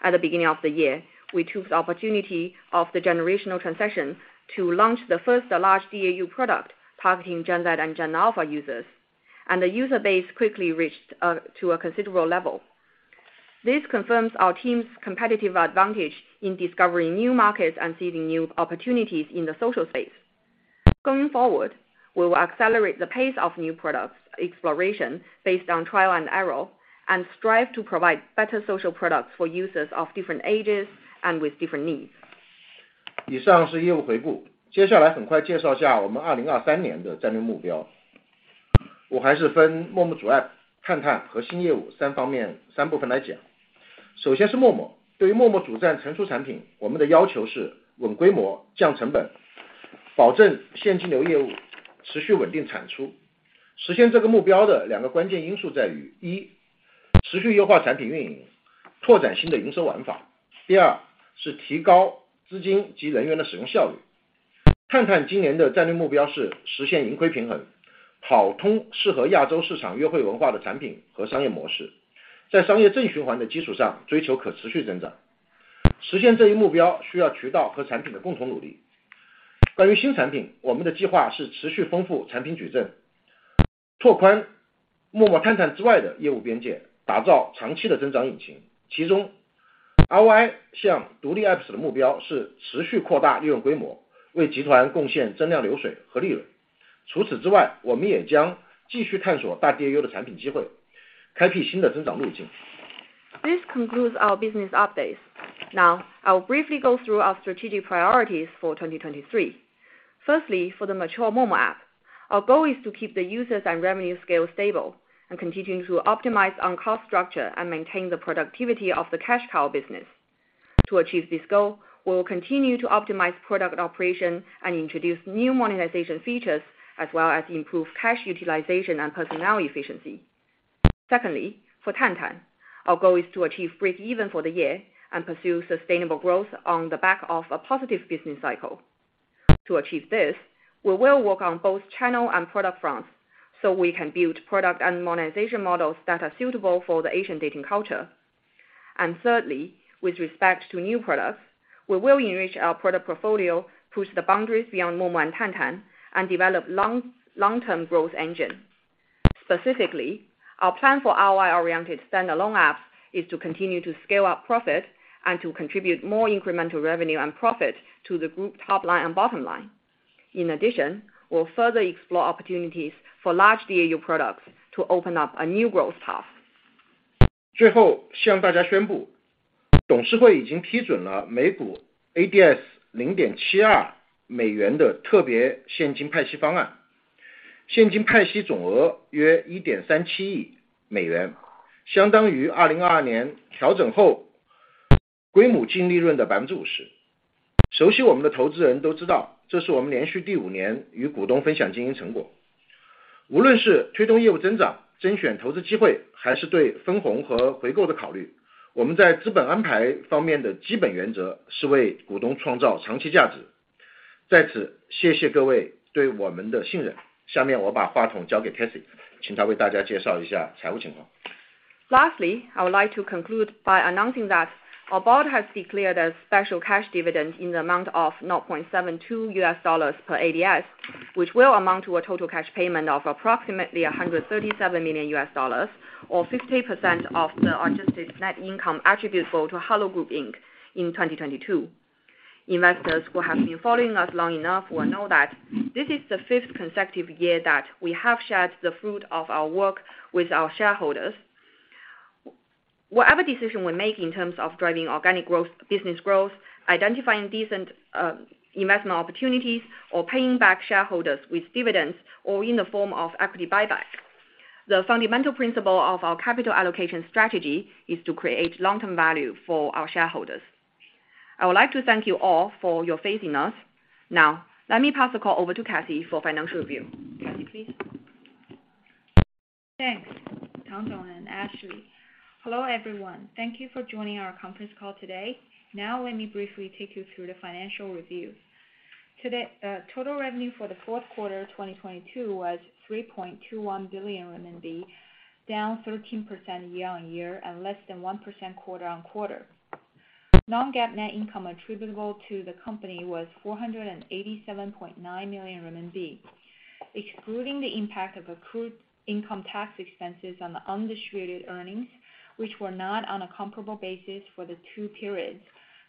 At the beginning of the year, we took the opportunity of the generational transition to launch the first large DAU product targeting Gen Z and Gen Alpha users, the user base quickly reached to a considerable level. This confirms our team's competitive advantage in discovering new markets and seizing new opportunities in the social space. Going forward, we will accelerate the pace of new products exploration based on trial and error, and strive to provide better social products for users of different ages and with different needs. 以上是业务回顾。接下来很快介绍一下我们二零二三年的战略目标。我还是分陌陌主 App、探探和新业务三方面--三部分来讲。首先是陌陌。对于陌陌主站成熟产 品， 我们的要求是稳规模、降成 本， 保证现金流业务持续稳定产出。实现这个目标的两个关键因素在 于： 一， 持续优化产品运 营， 拓展新的营收玩法。第二是提高资金及人员的使用效率。探探今年的战略目标是实现盈亏平 衡， 跑通适合亚洲市场约会文化的产品和商业模 式， 在商业正循环的基础上追求可持续增长。实现这一目标需要渠道和产品的共同努力。关于新产 品， 我们的计划是持续丰富产品矩 阵， 拓宽陌陌、探探之外的业务边 界， 打造长期的增长引擎。其中 ROI 项独立 Apps 的目标是持续扩大用户规 模， 为集团贡献增量流水和利润。除此之 外， 我们也将继续探索大 DAU 的产品机 会， 开启新的增长路径。This concludes our business updates. I will briefly go through our strategic priorities for 2023. Firstly, for the mature Momo app, our goal is to keep the users and revenue scale stable, and continuing to optimize on cost structure and maintain the productivity of the cash cow business. To achieve this goal, we will continue to optimize product operation and introduce new monetization features as well as improve cash utilization and personnel efficiency. Secondly, for Tantan, our goal is to achieve breakeven for the year and pursue sustainable growth on the back of a positive business cycle. To achieve this, we will work on both channel and product fronts, so we can build product and monetization models that are suitable for the Asian dating culture. Thirdly, with respect to new products, we will enrich our product portfolio, push the boundaries beyond Momo and Tantan, and develop long-term growth engine. Specifically, our plan for ROI-oriented standalone apps is to continue to scale up profit and to contribute more incremental revenue and profit to the group top line and bottom line. In addition, we'll further explore opportunities for large DAU products to open up a new growth path. Lastly, I would like to conclude by announcing that our board has declared a special cash dividend in the amount of $0.72 per ADS, which will amount to a total cash payment of approximately $137 million or 50% of the adjusted net income attributable to Hello Group Inc. in 2022. Investors who have been following us long enough will know that this is the fifth consecutive year that we have shared the fruit of our work with our shareholders. Whatever decision we make in terms of driving organic growth, business growth, identifying decent investment opportunities, or paying back shareholders with dividends or in the form of equity buyback, the fundamental principle of our capital allocation strategy is to create long-term value for our shareholders. I would like to thank you all for your faith in us. Let me pass the call over to Cathy for financial review. Cathy, please. Thanks, Tang Dong and Ashley. Hello, everyone. Thank you for joining our conference call today. Let me briefly take you through the financial review. Today, total revenue for the fourth quarter 2022 was 3.21 billion RMB, down 13% year-on-year and less than 1% quarter-on-quarter. Non-GAAP net income attributable to the company was 487.9 million RMB. Excluding the impact of accrued income tax expenses on the undistributed earnings, which were not on a comparable basis for the two periods.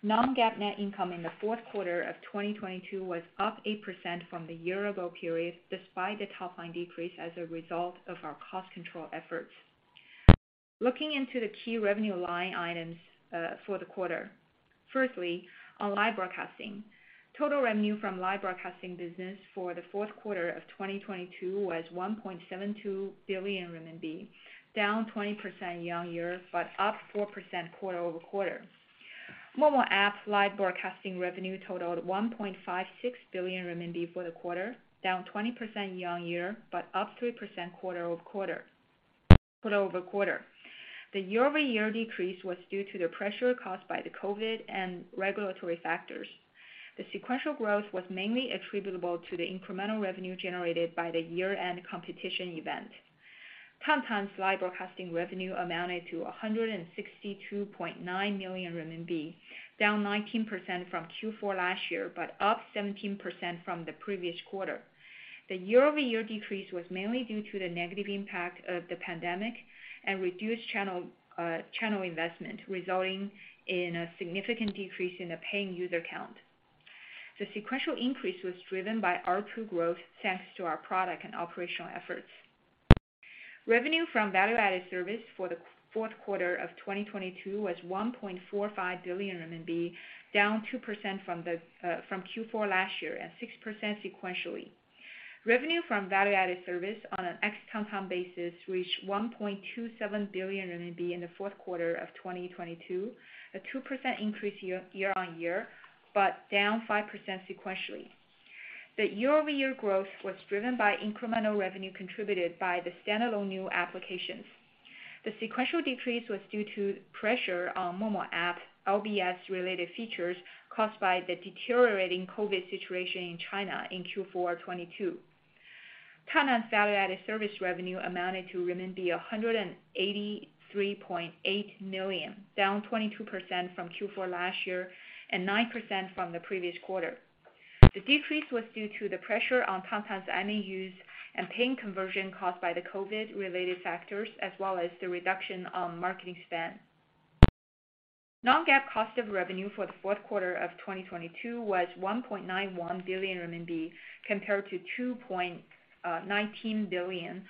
Non-GAAP net income in the fourth quarter of 2022 was up 8% from the year-ago period, despite the top line decrease as a result of our cost control efforts. Looking into the key revenue line items for the quarter. On live broadcasting. Total revenue from live broadcasting business for the fourth quarter of 2022 was 1.72 billion RMB, down 20% year-on-year, but up 4% quarter-over-quarter. Momo app live broadcasting revenue totaled 1.56 billion renminbi for the quarter, down 20% year-on-year, but up 3% quarter-over-quarter. The year-over-year decrease was due to the pressure caused by the COVID and regulatory factors. The sequential growth was mainly attributable to the incremental revenue generated by the year-end competition event. Tantan's live broadcasting revenue amounted to 162.9 million RMB, down 19% from Q4 last year, but up 17% from the previous quarter. The year-over-year decrease was mainly due to the negative impact of the pandemic and reduced channel investment, resulting in a significant decrease in the paying user count. The sequential increase was driven by R2 growth thanks to our product and operational efforts. Revenue from Value-Added Service for the Q4 2022 was 1.45 billion RMB, down 2% from Q4 last year and 6% sequentially. Revenue from Value-Added Service on an ex Tantan basis reached 1.27 billion RMB in the Q4 2022, a 2% increase year-on-year, but down 5% sequentially. The year-over-year growth was driven by incremental revenue contributed by the standalone new applications. The sequential decrease was due to pressure on Momo app LBS-related features caused by the deteriorating COVID situation in China in Q4 2022. Tantan's Value-Added Service revenue amounted to renminbi 183.8 million, down 22% from Q4 last year and 9% from the previous quarter. The decrease was due to the pressure on Tantan's MAUs and paying conversion caused by the COVID-related factors, as well as the reduction on marketing spend. Non-GAAP cost of revenue for the fourth quarter of 2022 was 1.91 billion RMB compared to 2.19 billion RMB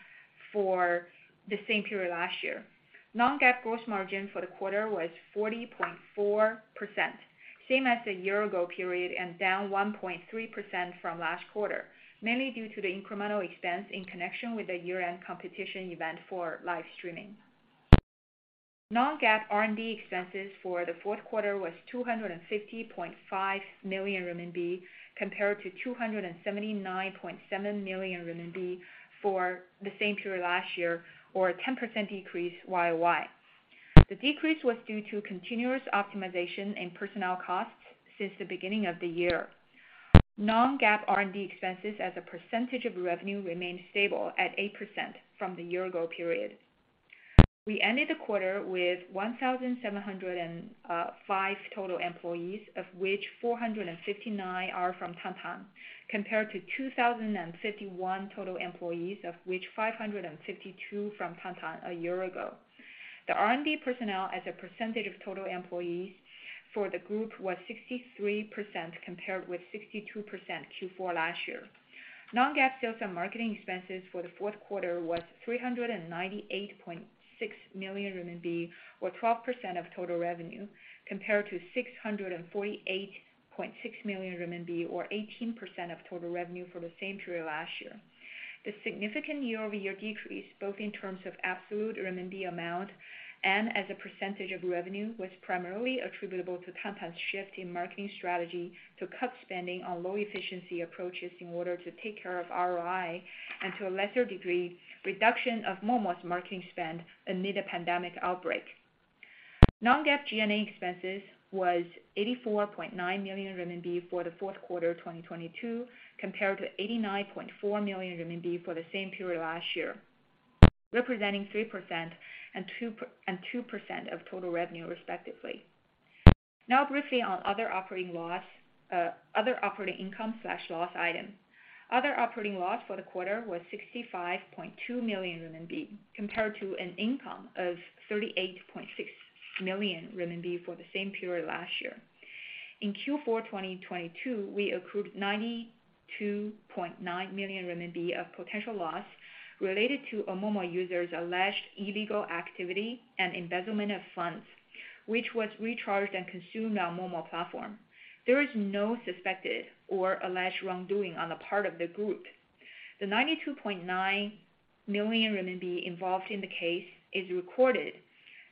for the same period last year. Non-GAAP gross margin for the quarter was 40.4%, same as the year-ago period and down 1.3% from last quarter, mainly due to the incremental expense in connection with the year-end competition event for live streaming. Non-GAAP R&D expenses for the fourth quarter was 250.5 million RMB, compared to 279.7 million RMB for the same period last year or a 10% decrease YOY. The decrease was due to continuous optimization in personnel costs since the beginning of the year. Non-GAAP R&D expenses as a percentage of revenue remained stable at 8% from the year-ago period. We ended the quarter with 1,705 total employees, of which 459 are from Tantan, compared to 2,051 total employees, of which 552 from Tantan a year ago. The R&D personnel as a percentage of total employees for the group was 63% compared with 62% Q4 last year. Non-GAAP sales and marketing expenses for the fourth quarter was 398.6 million RMB or 12% of total revenue compared to 648.6 million RMB or 18% of total revenue for the same period last year. The significant year-over-year decrease, both in terms of absolute RMB amount and as a percentage of revenue, was primarily attributable to Tantan's shift in marketing strategy to cut spending on low efficiency approaches in order to take care of ROI and to a lesser degree, reduction of Momo's marketing spend amid a pandemic outbreak. Non-GAAP G&A expenses was 84.9 million RMB for the fourth quarter 2022, compared to 89.4 million RMB for the same period last year, representing 3% and 2% of total revenue respectively. Briefly on other operating loss, other operating income/loss item. Other operating loss for the quarter was 65.2 million RMB compared to an income of 38.6 million RMB for the same period last year. In Q4 2022, we accrued 92.9 million RMB of potential loss related to a Momo user's alleged illegal activity and embezzlement of funds, which was recharged and consumed on Momo platform. There is no suspected or alleged wrongdoing on the part of the group. The 92.9 million renminbi involved in the case is recorded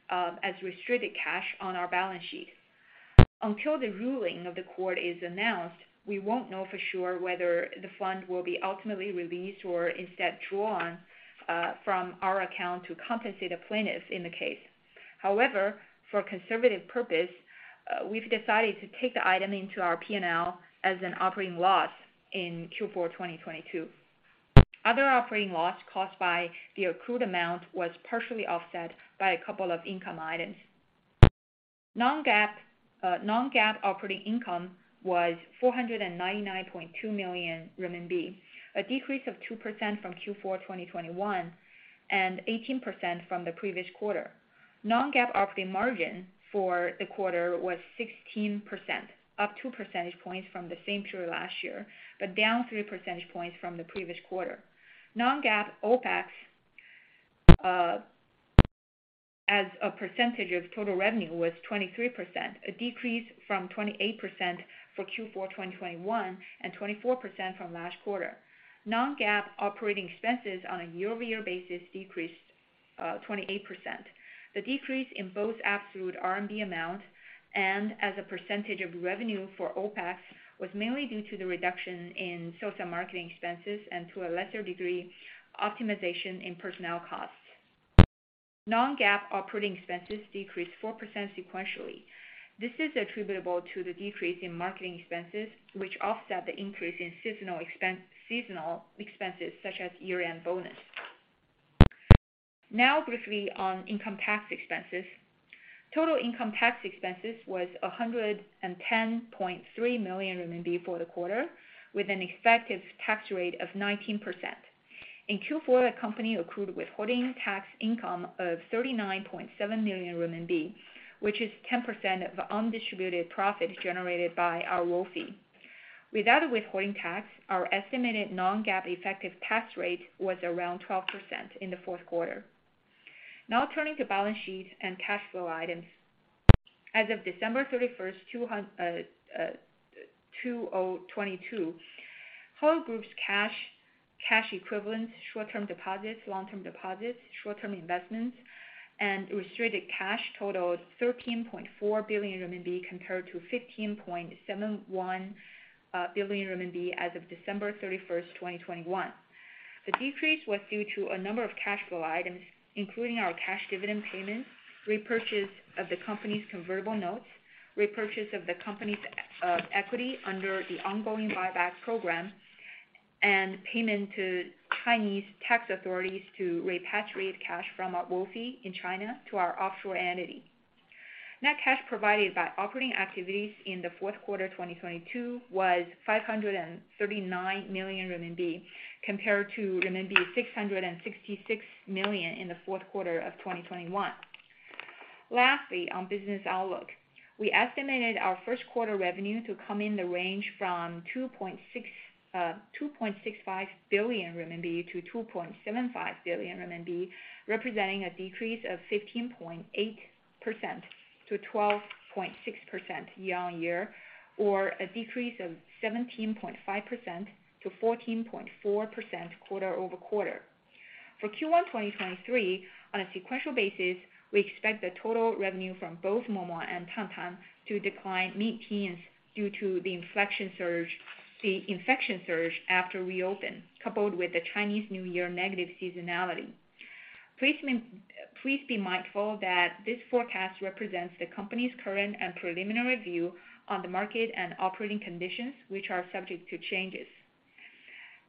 as restricted cash on our balance sheet. Until the ruling of the court is announced, we won't know for sure whether the fund will be ultimately released or instead drawn from our account to compensate the plaintiffs in the case. However, for conservative purpose, we've decided to take the item into our P&L as an operating loss in Q4 2022. Other operating loss caused by the accrued amount was partially offset by a couple of income items. Non-GAAP non-GAAP operating income was 499.2 million renminbi, a decrease of 2% from Q4 2021 and 18% from the previous quarter. Non-GAAP operating margin for the quarter was 16%, up two percentage points from the same period last year, but down three percentage points from the previous quarter. Non-GAAP OpEx as a percentage of total revenue was 23%, a decrease from 28% for Q4 2021 and 24% from last quarter. Non-GAAP operating expenses on a year-over-year basis decreased 28%. The decrease in both absolute RMB amount and as a percentage of revenue for OpEx was mainly due to the reduction in social marketing expenses and to a lesser degree, optimization in personnel costs. Non-GAAP operating expenses decreased 4% sequentially. This is attributable to the decrease in marketing expenses, which offset the increase in seasonal expenses such as year-end bonus. Briefly on income tax expenses. Total income tax expenses was 110.3 million RMB for the quarter, with an effective tax rate of 19%. In Q4, the company accrued withholding tax income of 39.7 million RMB, which is 10% of undistributed profits generated by our Wofie. Without the withholding tax, our estimated Non-GAAP effective tax rate was around 12% in the fourth quarter. Turning to balance sheet and cash flow items. As of December 31st, 2022, Hello Group's cash equivalents, short-term deposits, long-term deposits, short-term investments, and restricted cash totaled 13.4 billion RMB compared to 15.71 billion RMB as of December 31st, 2021. The decrease was due to a number of cash flow items, including our cash dividend payments, repurchase of the company's convertible notes, repurchase of the company's equity under the ongoing buyback program, and payment to Chinese tax authorities to repatriate cash from Wolfie in China to our offshore entity. Net cash provided by operating activities in the fourth quarter 2022 was 539 million RMB compared to RMB 666 million in the fourth quarter of 2021. Lastly, on business outlook. We estimated our first quarter revenue to come in the range from 2.65 billion RMB to 2.75 billion RMB, representing a decrease of 15.8%-12.6% year-on-year, or a decrease of 17.5%-14.4% quarter-over-quarter. For Q1 2023, on a sequential basis, we expect the total revenue from both Momo and Tantan to decline mid-teens due to the infection surge after reopen, coupled with the Chinese New Year negative seasonality. Please be mindful that this forecast represents the company's current and preliminary view on the market and operating conditions, which are subject to changes.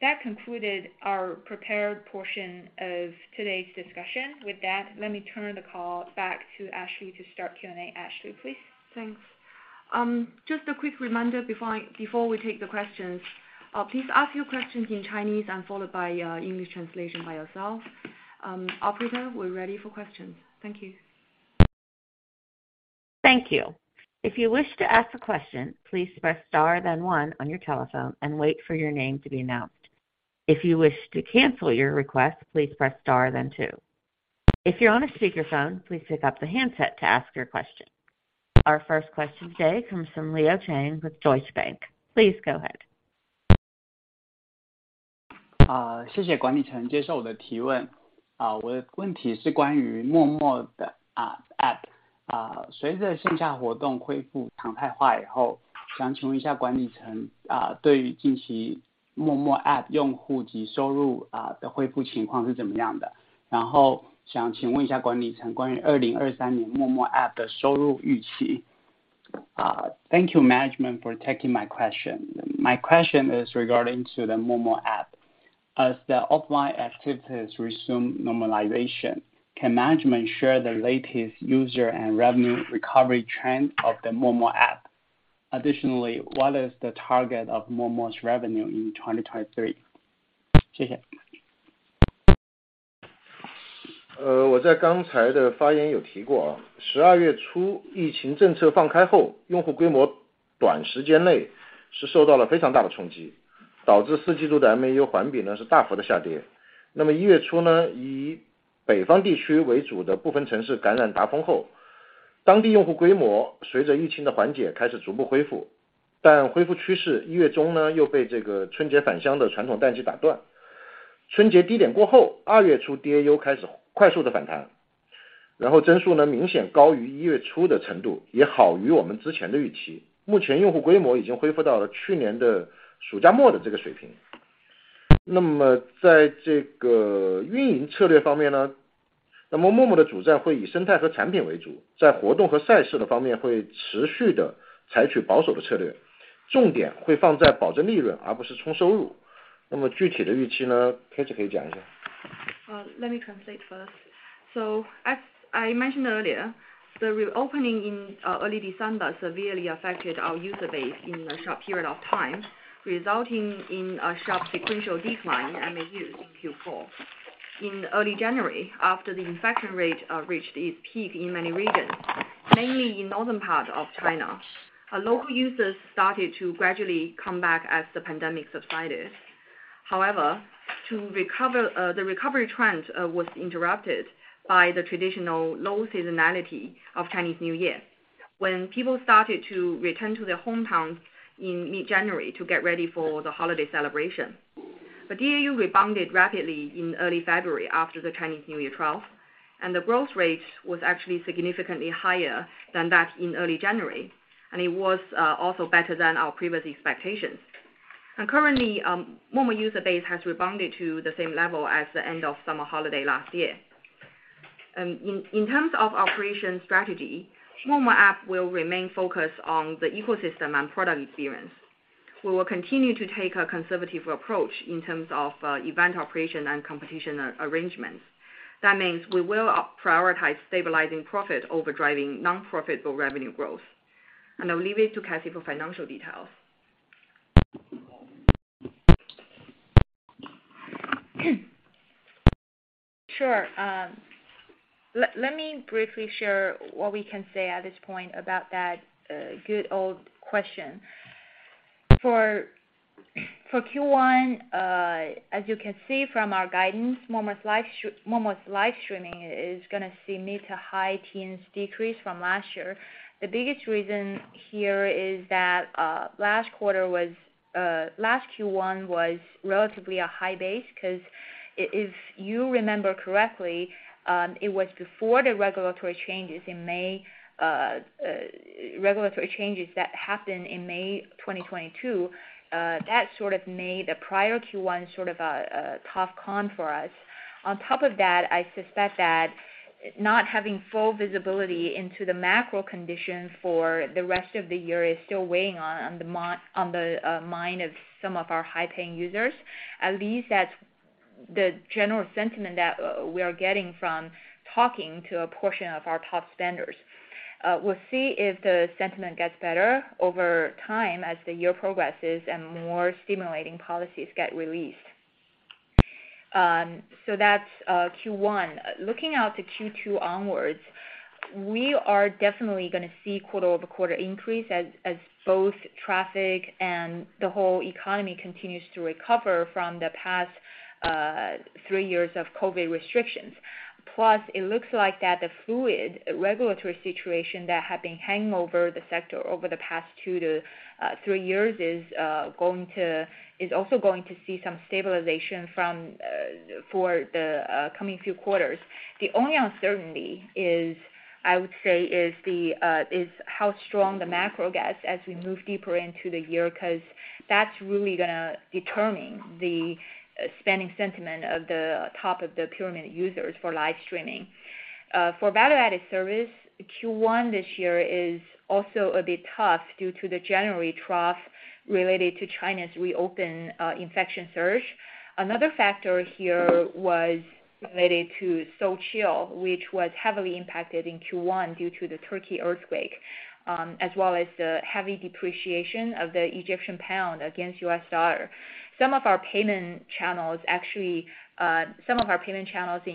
That concluded our prepared portion of today's discussion. With that, let me turn the call back to Ashley to start Q&A. Ashley, please. Thanks. Just a quick reminder before we take the questions. Please ask your questions in Chinese and followed by English translation by yourself. Operator, we're ready for questions. Thank you. Thank you. If you wish to ask a question, please press Star-then One on your telephone and wait for your name to be announced. If you wish to cancel your request, please press Star-then Two. If you're on a speakerphone, please pick up the handset to ask your question. Our first question today comes from Leo Chang with Deutsche Bank. Please go ahead. thank you management for taking my question. My question is regarding to the Momo app. As the offline activities resume normalization, can management share the latest user and revenue recovery trend of the Momo app? Additionally, what is the target of Momo's revenue in 2023? Thank you. 我在刚才的发言有提 过， 十二月初疫情政策放开 后， 用户规模短时间内是受到了非常大的冲 击， 导致四季度的 MAU 环比是大幅的下跌。一月 初， 以北方地区为主的部分城市感染达峰 后， 当地用户规模随着疫情的缓解开始逐步恢复。恢复趋势一月中又被这个春节返乡的传统淡季打断。春节低点过 后， 二月初 DAU 开始快速的反 弹， 然后增速明显高于一月初的程 度， 也好于我们之前的预期。目前用户规模已经恢复到了去年的暑假末的这个水平。在这个运营策略方 面， 那么 Momo 的主战会以生态和产品为 主， 在活动和赛事的方面会持续地采取保守的策 略， 重点会放在保证利润而不是冲收入。具体的预 期， Cathy 可以讲一下。Let me translate first. As I mentioned earlier, the reopening in early December severely affected our user base in a short period of time, resulting in a sharp sequential decline in MAU in Q4. In early January, after the infection rate reached its peak in many regions, mainly in northern part of China, our local users started to gradually come back as the pandemic subsided. To recover, the recovery trend was interrupted by the traditional low seasonality of Chinese New Year, when people started to return to their hometowns in mid-January to get ready for the holiday celebration. The DAU rebounded rapidly in early February after the Chinese New Year travel, and the growth rate was actually significantly higher than that in early January, and it was also better than our previous expectations. Currently, Momo user base has rebounded to the same level as the end of summer holiday last year. In terms of operation strategy, Momo app will remain focused on the ecosystem and product experience. We will continue to take a conservative approach in terms of event operation and competition arrangements. That means we will prioritize stabilizing profit over driving nonprofit or revenue growth. I'll leave it to Cathy for financial details. Sure. Let me briefly share what we can say at this point about that good old question. For Q1, as you can see from our guidance, Momo's live streaming is gonna see mid to high teens decrease from last year. The biggest reason here is that last quarter was last Q1 was relatively a high base 'cause if you remember correctly, it was before the regulatory changes in May, regulatory changes that happened in May 2022. That sort of made the prior Q1 sort of a tough con for us. On top of that, I suspect that not having full visibility into the macro conditions for the rest of the year is still weighing on the mind of some of our high-paying users. At least that's the general sentiment that we are getting from talking to a portion of our top spenders. We'll see if the sentiment gets better over time as the year progresses and more stimulating policies get released. That's Q1. Looking out to Q2 onwards, we are definitely gonna see quarter-over-quarter increase as both traffic and the whole economy continues to recover from the past three years of COVID restrictions. Plus, it looks like that the fluid regulatory situation that had been hanging over the sector over the past two to three years is also going to see some stabilization from for the coming few quarters. The only uncertainty is, I would say, is how strong the macro gets as we move deeper into the year, 'cause that's really gonna determine the spending sentiment of the top of the pyramid users for live streaming. For value-added service, Q1 this year is also a bit tough due to the January trough related to China's reopen, infection surge. Another factor here was related to SoulChill, which was heavily impacted in Q1 due to the Turkey earthquake, as well as the heavy depreciation of the Egyptian pound against US dollar. Some of our payment channels in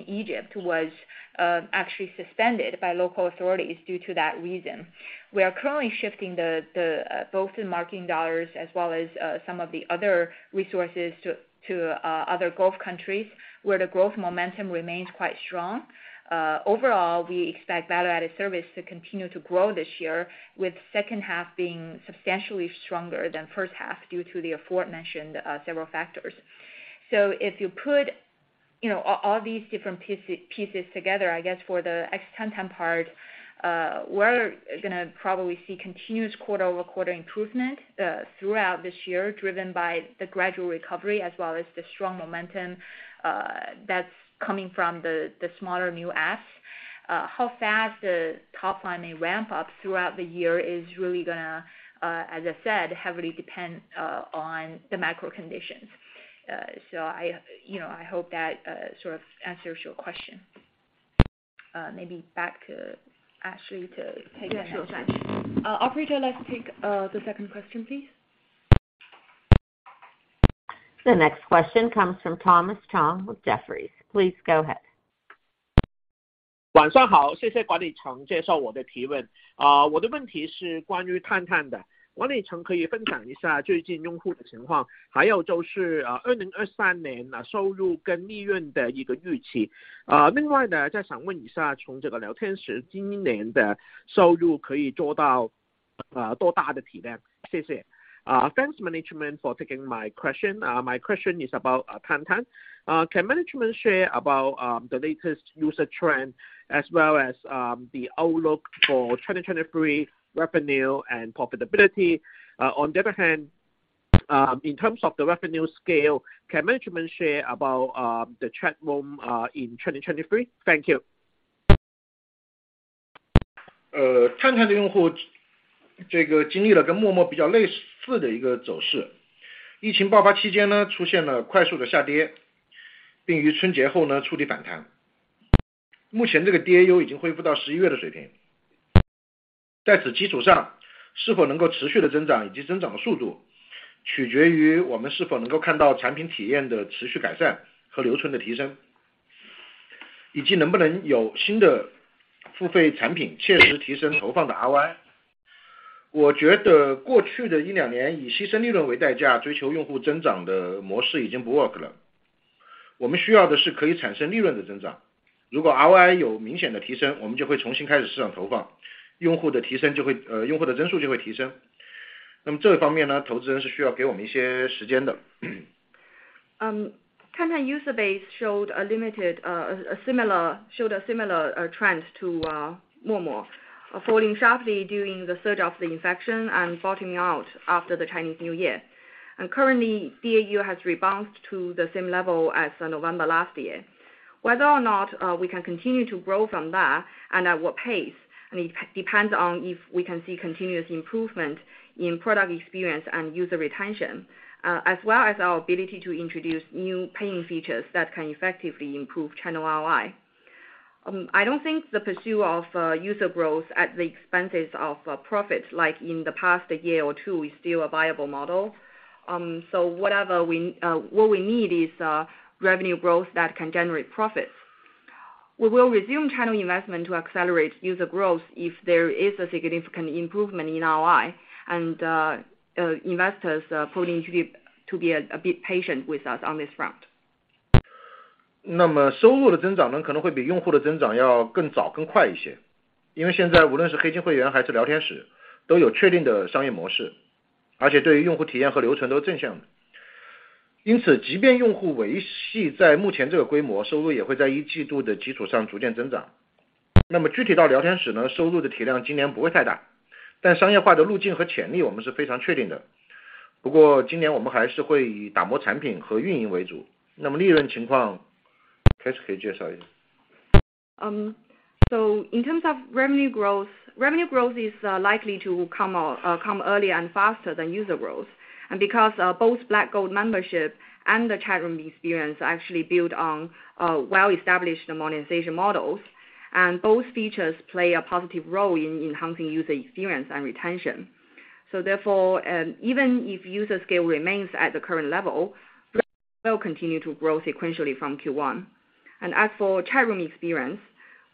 Egypt was actually suspended by local authorities due to that reason. We are currently shifting both the marketing dollars as well as some of the other resources to other Gulf countries, where the growth momentum remains quite strong. Overall, we expect value-added service to continue to grow this year, with second half being substantially stronger than first half due to the aforementioned several factors. If you put, you know, all these different pieces together, I guess for the ex Tantan part, we're gonna probably see continuous quarter-over-quarter improvement throughout this year, driven by the gradual recovery as well as the strong momentum that's coming from the smaller new apps. How fast the top line may ramp up throughout the year is really gonna, as I said, heavily depend on the macro conditions. I, you know, I hope that sort of answers your question. Maybe back to Ashley to take the next one. Sure. Operator, let's take the second question, please. The next question comes from Thomas Chong with Jefferies. Please go ahead. Thanks management for taking my question. My question is about Tantan. Can management share about the latest user trend as well as the outlook for 2023 revenue and profitability? On the other hand, in terms of the revenue scale, can management share about the chat room in 2023? Thank you. Tantan user base showed a similar trend to Momo. Falling sharply during the surge of the infection and bottoming out after the Chinese New Year. Currently, DAU has rebounded to the same level as November last year. Whether or not we can continue to grow from that and at what pace, it depends on if we can see continuous improvement in product experience and user retention, as well as our ability to introduce new paying features that can effectively improve channel ROI. I don't think the pursuit of user growth at the expenses of profits like in the past year or two is still a viable model. What we need is revenue growth that can generate profits. We will resume channel investment to accelerate user growth if there is a significant improvement in ROI and investors putting to be a bit patient with us on this front. In terms of revenue growth, revenue growth is likely to come early and faster than user growth. Because both Black Gold membership and the chat room experience actually build on well-established monetization models, and both features play a positive role in enhancing user experience and retention. Therefore, even if user scale remains at the current level, Black Gold will continue to grow sequentially from Q1. As for chat room experience,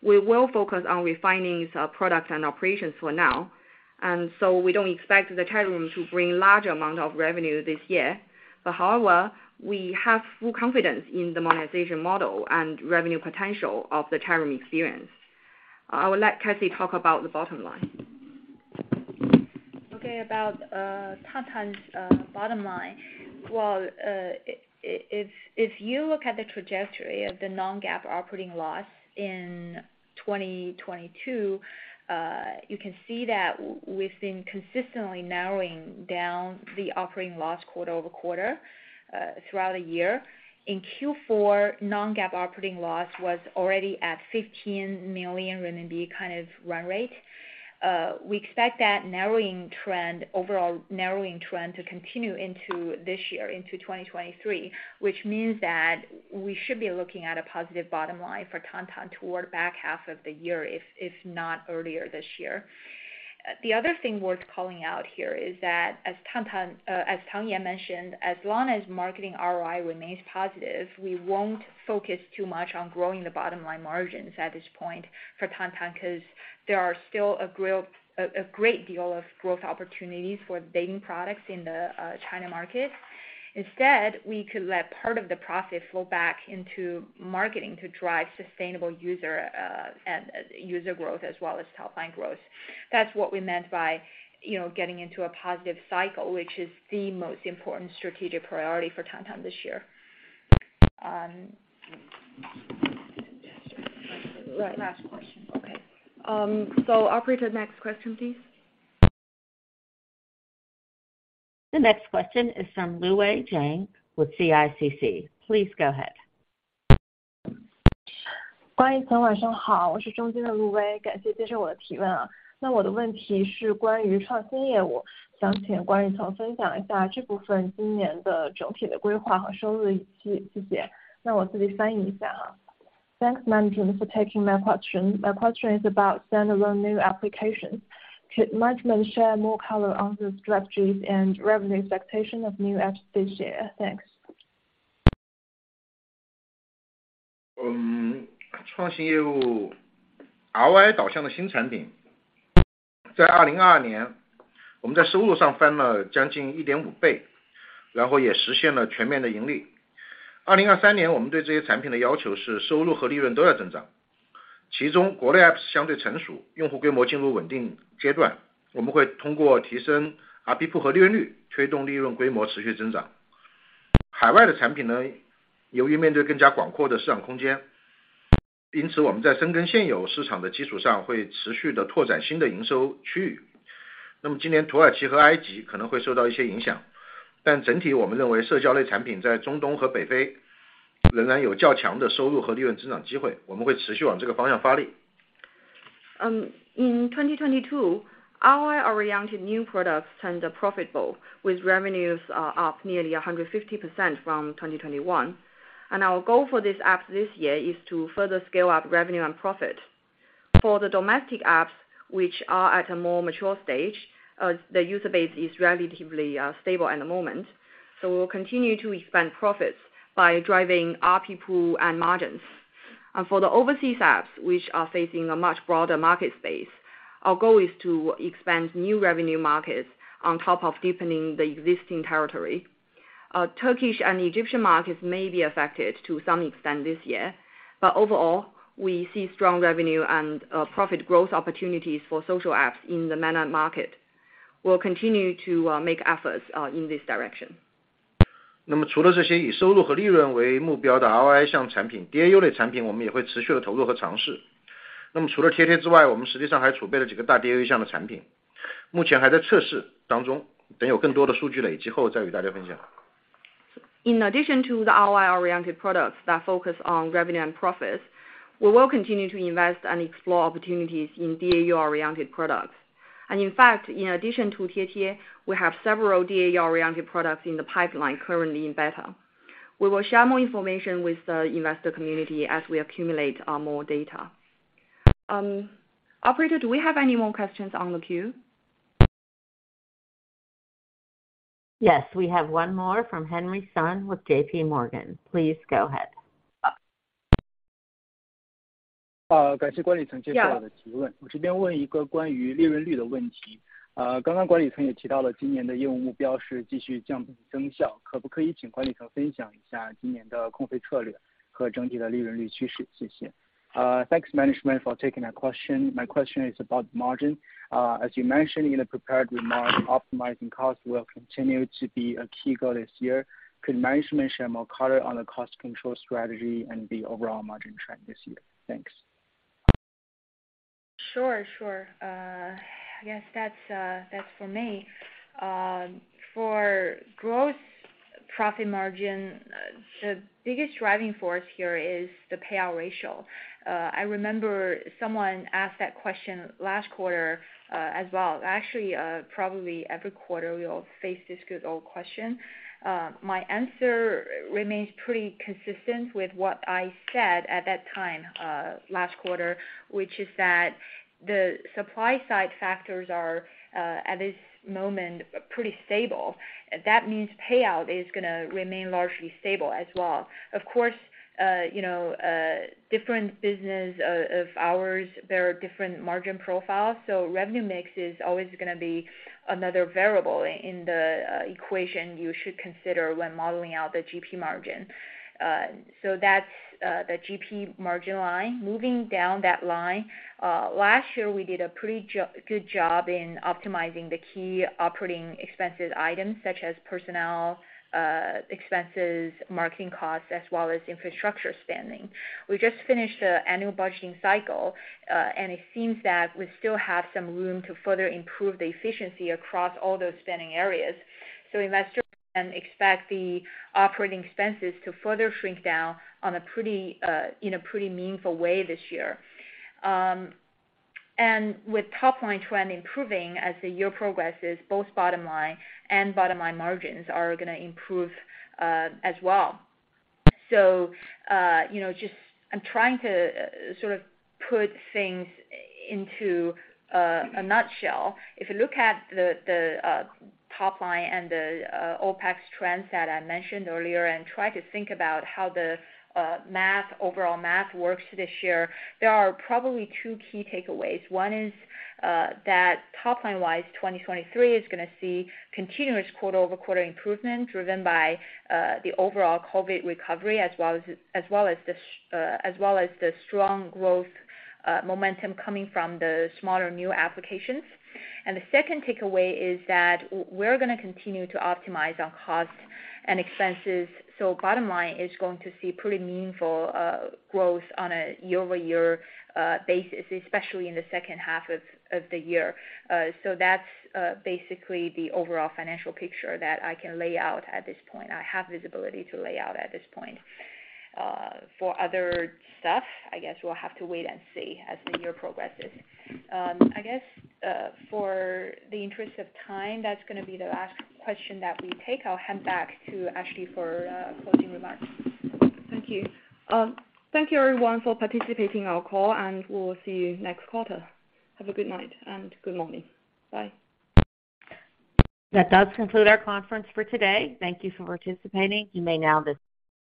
we will focus on refining these products and operations for now. We don't expect the chat room to bring large amount of revenue this year. However, we have full confidence in the monetization model and revenue potential of the chat room experience. I will let Cassie talk about the bottom line. Okay, about Tantan's bottom line. Well, if you look at the trajectory of the non-GAAP operating loss in 2022, you can see that we've been consistently narrowing down the operating loss quarter-over-quarter throughout the year. In Q4, non-GAAP operating loss was already at 15 million renminbi kind of run rate. We expect that narrowing trend, overall narrowing trend to continue into this year, into 2023, which means that we should be looking at a positive bottom line for Tantan toward back half of the year, if not earlier this year. The other thing worth calling out here is that as Tang Ye mentioned, as long as marketing ROI remains positive, we won't focus too much on growing the bottom line margins at this point for Tantan, 'cause there are still a great deal of growth opportunities for dating products in the China market. Instead, we could let part of the profit flow back into marketing to drive sustainable user growth as well as top line growth. That's what we meant by, you know, getting into a positive cycle, which is the most important strategic priority for Tantan this year. Last question. Okay. Operator, next question please. The next question is from Lu Wei Jiang with CICC. Please go ahead. Thanks, management, for taking my question. My question is about standalone new applications. Could management share more color on the strategies and revenue expectation of new apps this year? Thanks. Um. Thanks, management, for taking my question. My question is about margin. As you mentioned in the prepared remarks, optimizing costs will continue to be a key goal this year. Could management share more color on the cost control strategy and the overall margin trend this year? Thanks. Sure. I guess that's for me. For gross profit margin, the biggest driving force here is the payout ratio. I remember someone asked that question last quarter as well. Actually, probably every quarter we all face this good old question. My answer remains pretty consistent with what I said at that time last quarter, which is that the supply side factors are at this moment pretty stable. That means payout is gonna remain largely stable as well. Of course, you know, different business of ours, there are different margin profiles, so revenue mix is always gonna be another variable in the equation you should consider when modeling out the GP margin. That's the GP margin line. Moving down that line, last year we did a pretty good job in optimizing the key operating expenses items such as personnel expenses, marketing costs, as well as infrastructure spending. We just finished our annual budgeting cycle, and it seems that we still have some room to further improve the efficiency across all those spending areas. investorsAnd expect the operating expenses to further shrink down on a pretty in a pretty meaningful way this year. With top-line trend improving as the year progresses, both bottom line and bottom line margins are gonna improve as well. You know, just I'm trying to sort of put things into a nutshell. If you look at the top line and the OpEx trends that I mentioned earlier and try to think about how the math, overall math works this year, there are probably two key takeaways. One is that top line wise, 2023 is gonna see continuous quarter-over-quarter improvement driven by the overall COVID recovery as well as the strong growth momentum coming from the smaller new applications. The second takeaway is that we're gonna continue to optimize our cost and expenses. Bottom line is going to see pretty meaningful growth on a year-over-year basis, especially in the second half of the year. That's basically the overall financial picture that I can lay out at this point. I have visibility to lay out at this point. For other stuff, I guess we'll have to wait and see as the year progresses. I guess, for the interest of time, that's gonna be the last question that we take. I'll hand back to Ashley for closing remarks. Thank you. Thank you everyone for participating in our call. We'll see you next quarter. Have a good night and good morning. Bye. That does conclude our conference for today. Thank you for participating. You may now.